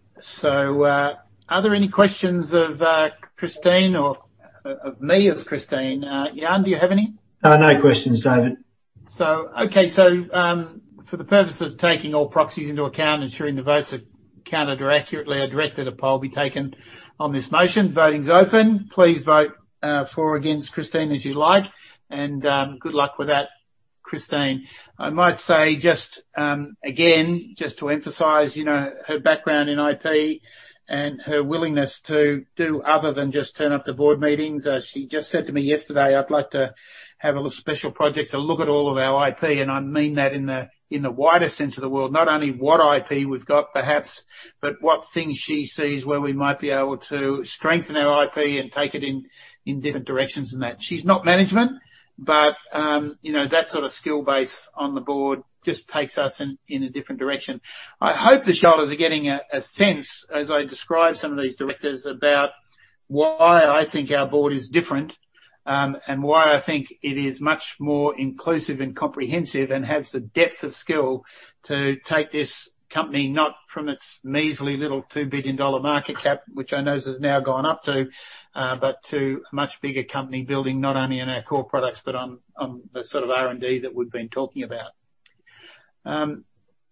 there any questions of Christine or of me of Christine? Jan, do you have any? No questions, David. Okay. For the purpose of taking all proxies into account, ensuring the votes are counted or accurately are directed, a poll be taken on this motion. Voting is open. Please vote for or against Christine as you like. Good luck with that, Christine. I might say just, again, just to emphasize her background in IP and her willingness to do other than just turn up to board meetings. She just said to me yesterday, "I'd like to have a little special project to look at all of our IP." I mean that in the widest sense of the world, not only what IP we've got, perhaps, but what things she sees where we might be able to strengthen our IP and take it in different directions, and that. She's not management, but that sort of skill base on the board just takes us in a different direction. I hope the shareholders are getting a sense as I describe some of these directors about why I think our board is different, and why I think it is much more inclusive and comprehensive and has the depth of skill to take this company, not from its measly little 2 billion dollar market cap, which I notice has now gone up to, but to a much bigger company building, not only in our core products, but on the sort of R&D that we've been talking about.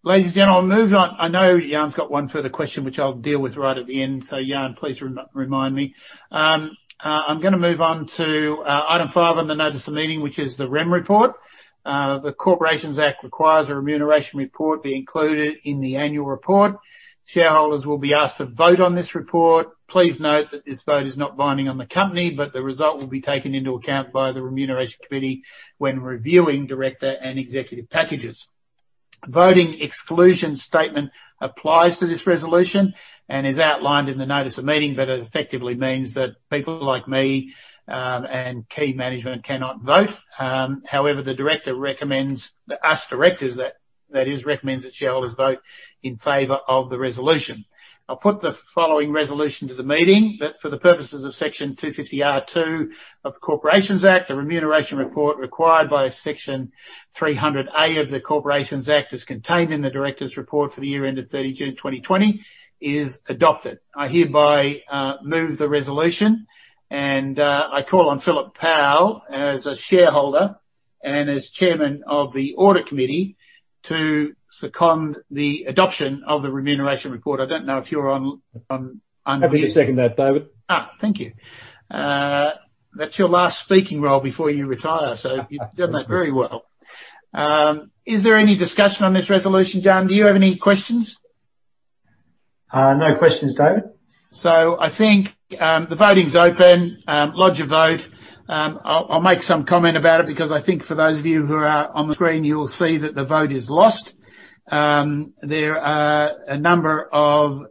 Ladies and gentlemen, I'll move on. I know Jan's got one further question, which I'll deal with right at the end. Jan, please remind me. I'm going to move on to item five on the notice of meeting, which is the REM report. The Corporations Act requires a remuneration report be included in the annual report. Shareholders will be asked to vote on this report. Please note that this vote is not binding on the company, but the result will be taken into account by the remuneration committee when reviewing director and executive packages. Voting exclusion statement applies to this resolution and is outlined in the notice of meeting, but it effectively means that people like me and key management cannot vote. However, the director recommends us directors, that is, recommends that shareholders vote in favor of the resolution. I put the following resolution to the meeting. That, for the purposes of Section 250R(2) of the Corporations Act, the remuneration report required by Section 300A of the Corporations Act is contained in the directors' report for the year ended 30 June 2020, is adopted. I hereby move the resolution, and I call on Philip Powell as a shareholder and as Chairman of the Audit Committee to second the adoption of the Remuneration Report. I don't know if you're on- Happy to second that, David. Thank you. That's your last speaking role before you retire. You've done that very well. Is there any discussion on this resolution? Jan, do you have any questions? No questions, David. I think the voting is open. Lodge your vote. I'll make some comment about it because I think for those of you who are on the screen, you will see that the vote is lost. There are a number of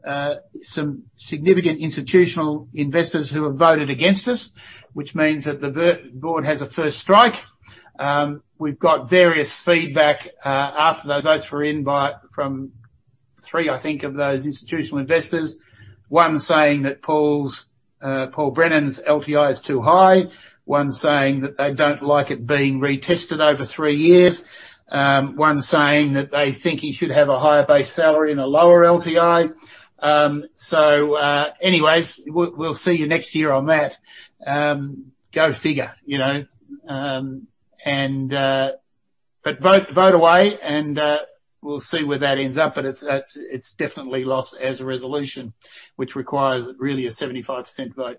some significant institutional investors who have voted against us, which means that the board has a first strike. We've got various feedback after those votes were in from three, I think, of those institutional investors. One saying that Paul Brennan's LTI is too high. One saying that they don't like it being retested over three years. One saying that they think he should have a higher base salary and a lower LTI. Anyways, we'll see you next year on that. Go figure. Vote away, and we'll see where that ends up. It's definitely lost as a resolution, which requires really a 75% vote.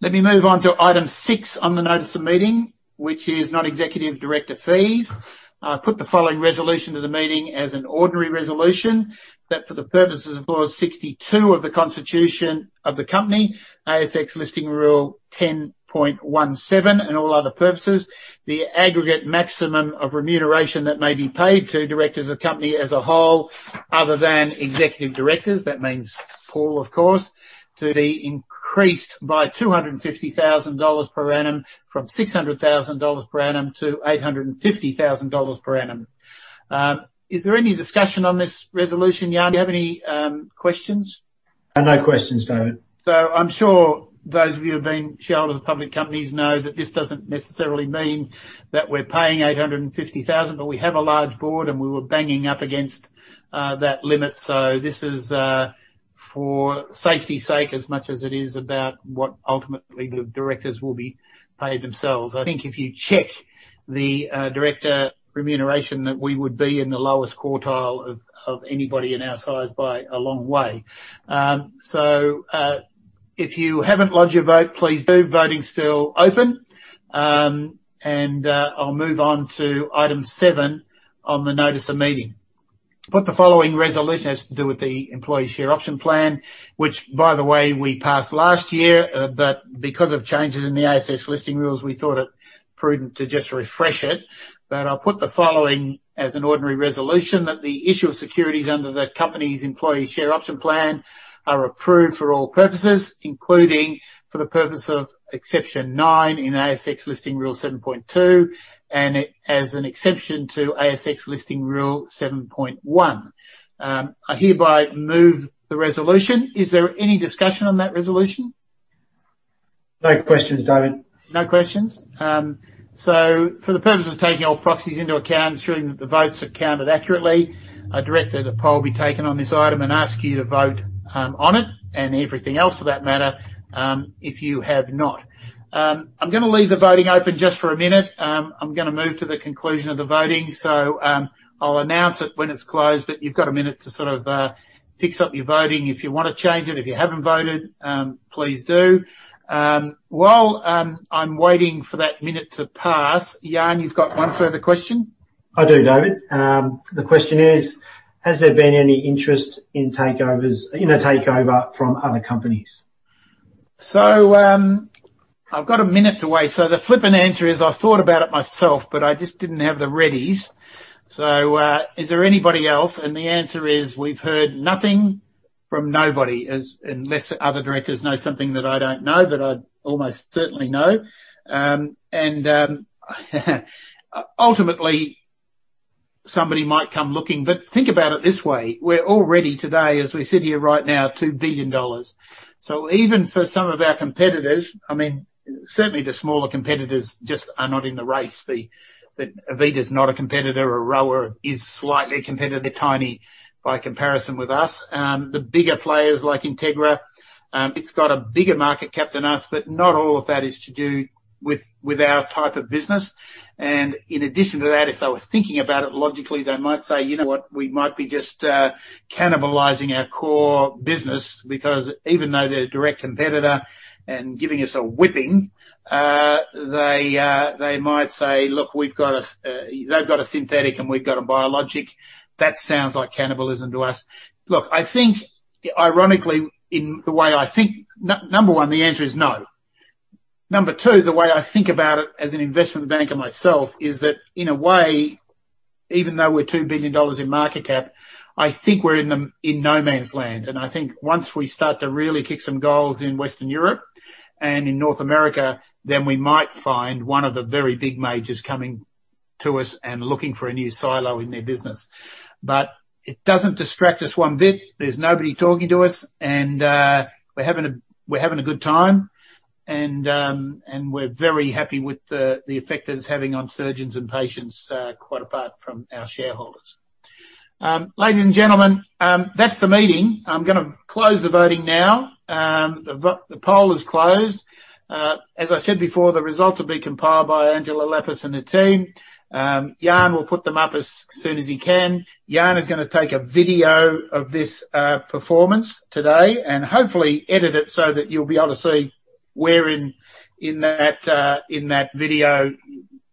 Let me move on to item six on the notice of meeting, which is non-executive director fees. I put the following resolution to the meeting as an ordinary resolution. That for the purposes of Clause 62 of the Constitution of the company, ASX listing rule 10.17 and all other purposes, the aggregate maximum of remuneration that may be paid to directors of company as a whole, other than executive directors, that means Paul, of course, to be increased by 250,000 dollars per annum from 600,000 dollars per annum to 850,000 dollars per annum. Is there any discussion on this resolution? Jan, do you have any questions? No questions, David. I'm sure those of you who have been shareholders of public companies know that this doesn't necessarily mean that we're paying 850,000. We have a large board, and we were banging up against that limit. This is for safety's sake, as much as it is about what ultimately the directors will be paid themselves. I think if you check the director remuneration, that we would be in the lowest quartile of anybody in our size by a long way. If you haven't lodged your vote, please do. Voting's still open. I'll move on to item seven on the notice of meeting. Put the following resolution, has to do with the employee share option plan, which, by the way, we passed last year, but because of changes in the ASX listing rules, we thought it prudent to just refresh it. I'll put the following as an ordinary resolution, that the issue of securities under the company's employee share option plan are approved for all purposes, including for the purpose of exception nine in ASX listing rule 7.2, and as an exception to ASX listing rule 7.1. I hereby move the resolution. Is there any discussion on that resolution? No questions, David. No questions. I direct that a poll be taken on this item and ask you to vote on it, and everything else for that matter, if you have not. I'm going to leave the voting open just for a minute. I'm going to move to the conclusion of the voting. I'll announce it when it's closed, but you've got a minute to sort of fix up your voting. If you want to change it, if you haven't voted, please do. While I'm waiting for that minute to pass, Jan, you've got one further question? I do, David. The question is, "Has there been any interest in a takeover from other companies? I've got a minute to wait, so the flippant answer is I've thought about it myself, but I just didn't have the readies. Is there anybody else? The answer is, we've heard nothing from nobody, unless other directors know something that I don't know, but I'd almost certainly know. Ultimately, somebody might come looking. Think about it this way, we're already today, as we sit here right now, 2 billion dollars. Even for some of our competitors, certainly, the smaller competitors just are not in the race. AVITA's not a competitor, or Aroa is slightly a competitor. They're tiny by comparison with us. The bigger players, like Integra, it's got a bigger market cap than us, but not all of that is to do with our type of business. In addition to that, if they were thinking about it logically, they might say, "You know what? We might be just cannibalizing our core business." Even though they're a direct competitor and giving us a whipping, they might say, "Look, they've got a synthetic and we've got a biologic. That sounds like cannibalism to us." I think ironically, in the way I think number one, the answer is no. Number two, the way I think about it as an investment banker myself is that in a way, even though we're 2 billion dollars in market cap, I think we're in no man's land. I think once we start to really kick some goals in Western Europe and in North America, then we might find one of the very big majors coming to us and looking for a new silo in their business. It doesn't distract us one bit. There's nobody talking to us, and we're having a good time. We're very happy with the effect that it's having on surgeons and patients, quite apart from our shareholders. Ladies and gentlemen, that's the meeting. I'm going to close the voting now. The poll is closed. As I said before, the results will be compiled by Angela Liapis and her team. Jan will put them up as soon as he can. Jan is going to take a video of this performance today, and hopefully edit it so that you'll be able to see where, in that video,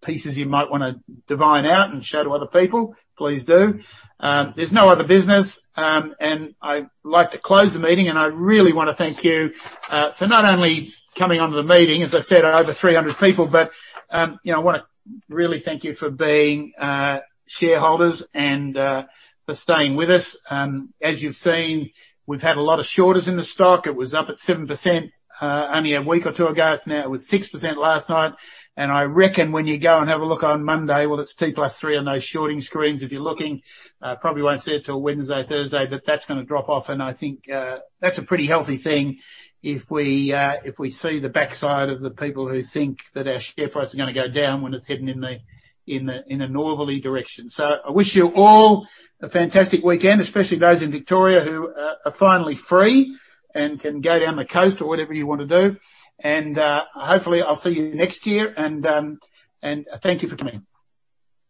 pieces you might want to divine out and show to other people, please do. There's no other business. I'd like to close the meeting. I really want to thank you for not only coming on to the meeting, as I said, over 300 people, but I want to really thank you for being shareholders and for staying with us. You've seen, we've had a lot of shorters in the stock. It was up at 7% only a week or two ago. It was 6% last night. I reckon when you go and have a look on Monday, well, it's 2 + 3 on those shorting screens, if you're looking. Probably won't see it till Wednesday, Thursday. That's going to drop off and I think that's a pretty healthy thing if we see the backside of the people who think that our share price is going to go down when it's heading in a northerly direction. I wish you all a fantastic weekend, especially those in Victoria who are finally free and can go down the coast or whatever you want to do. Hopefully, I'll see you next year, and thank you for coming.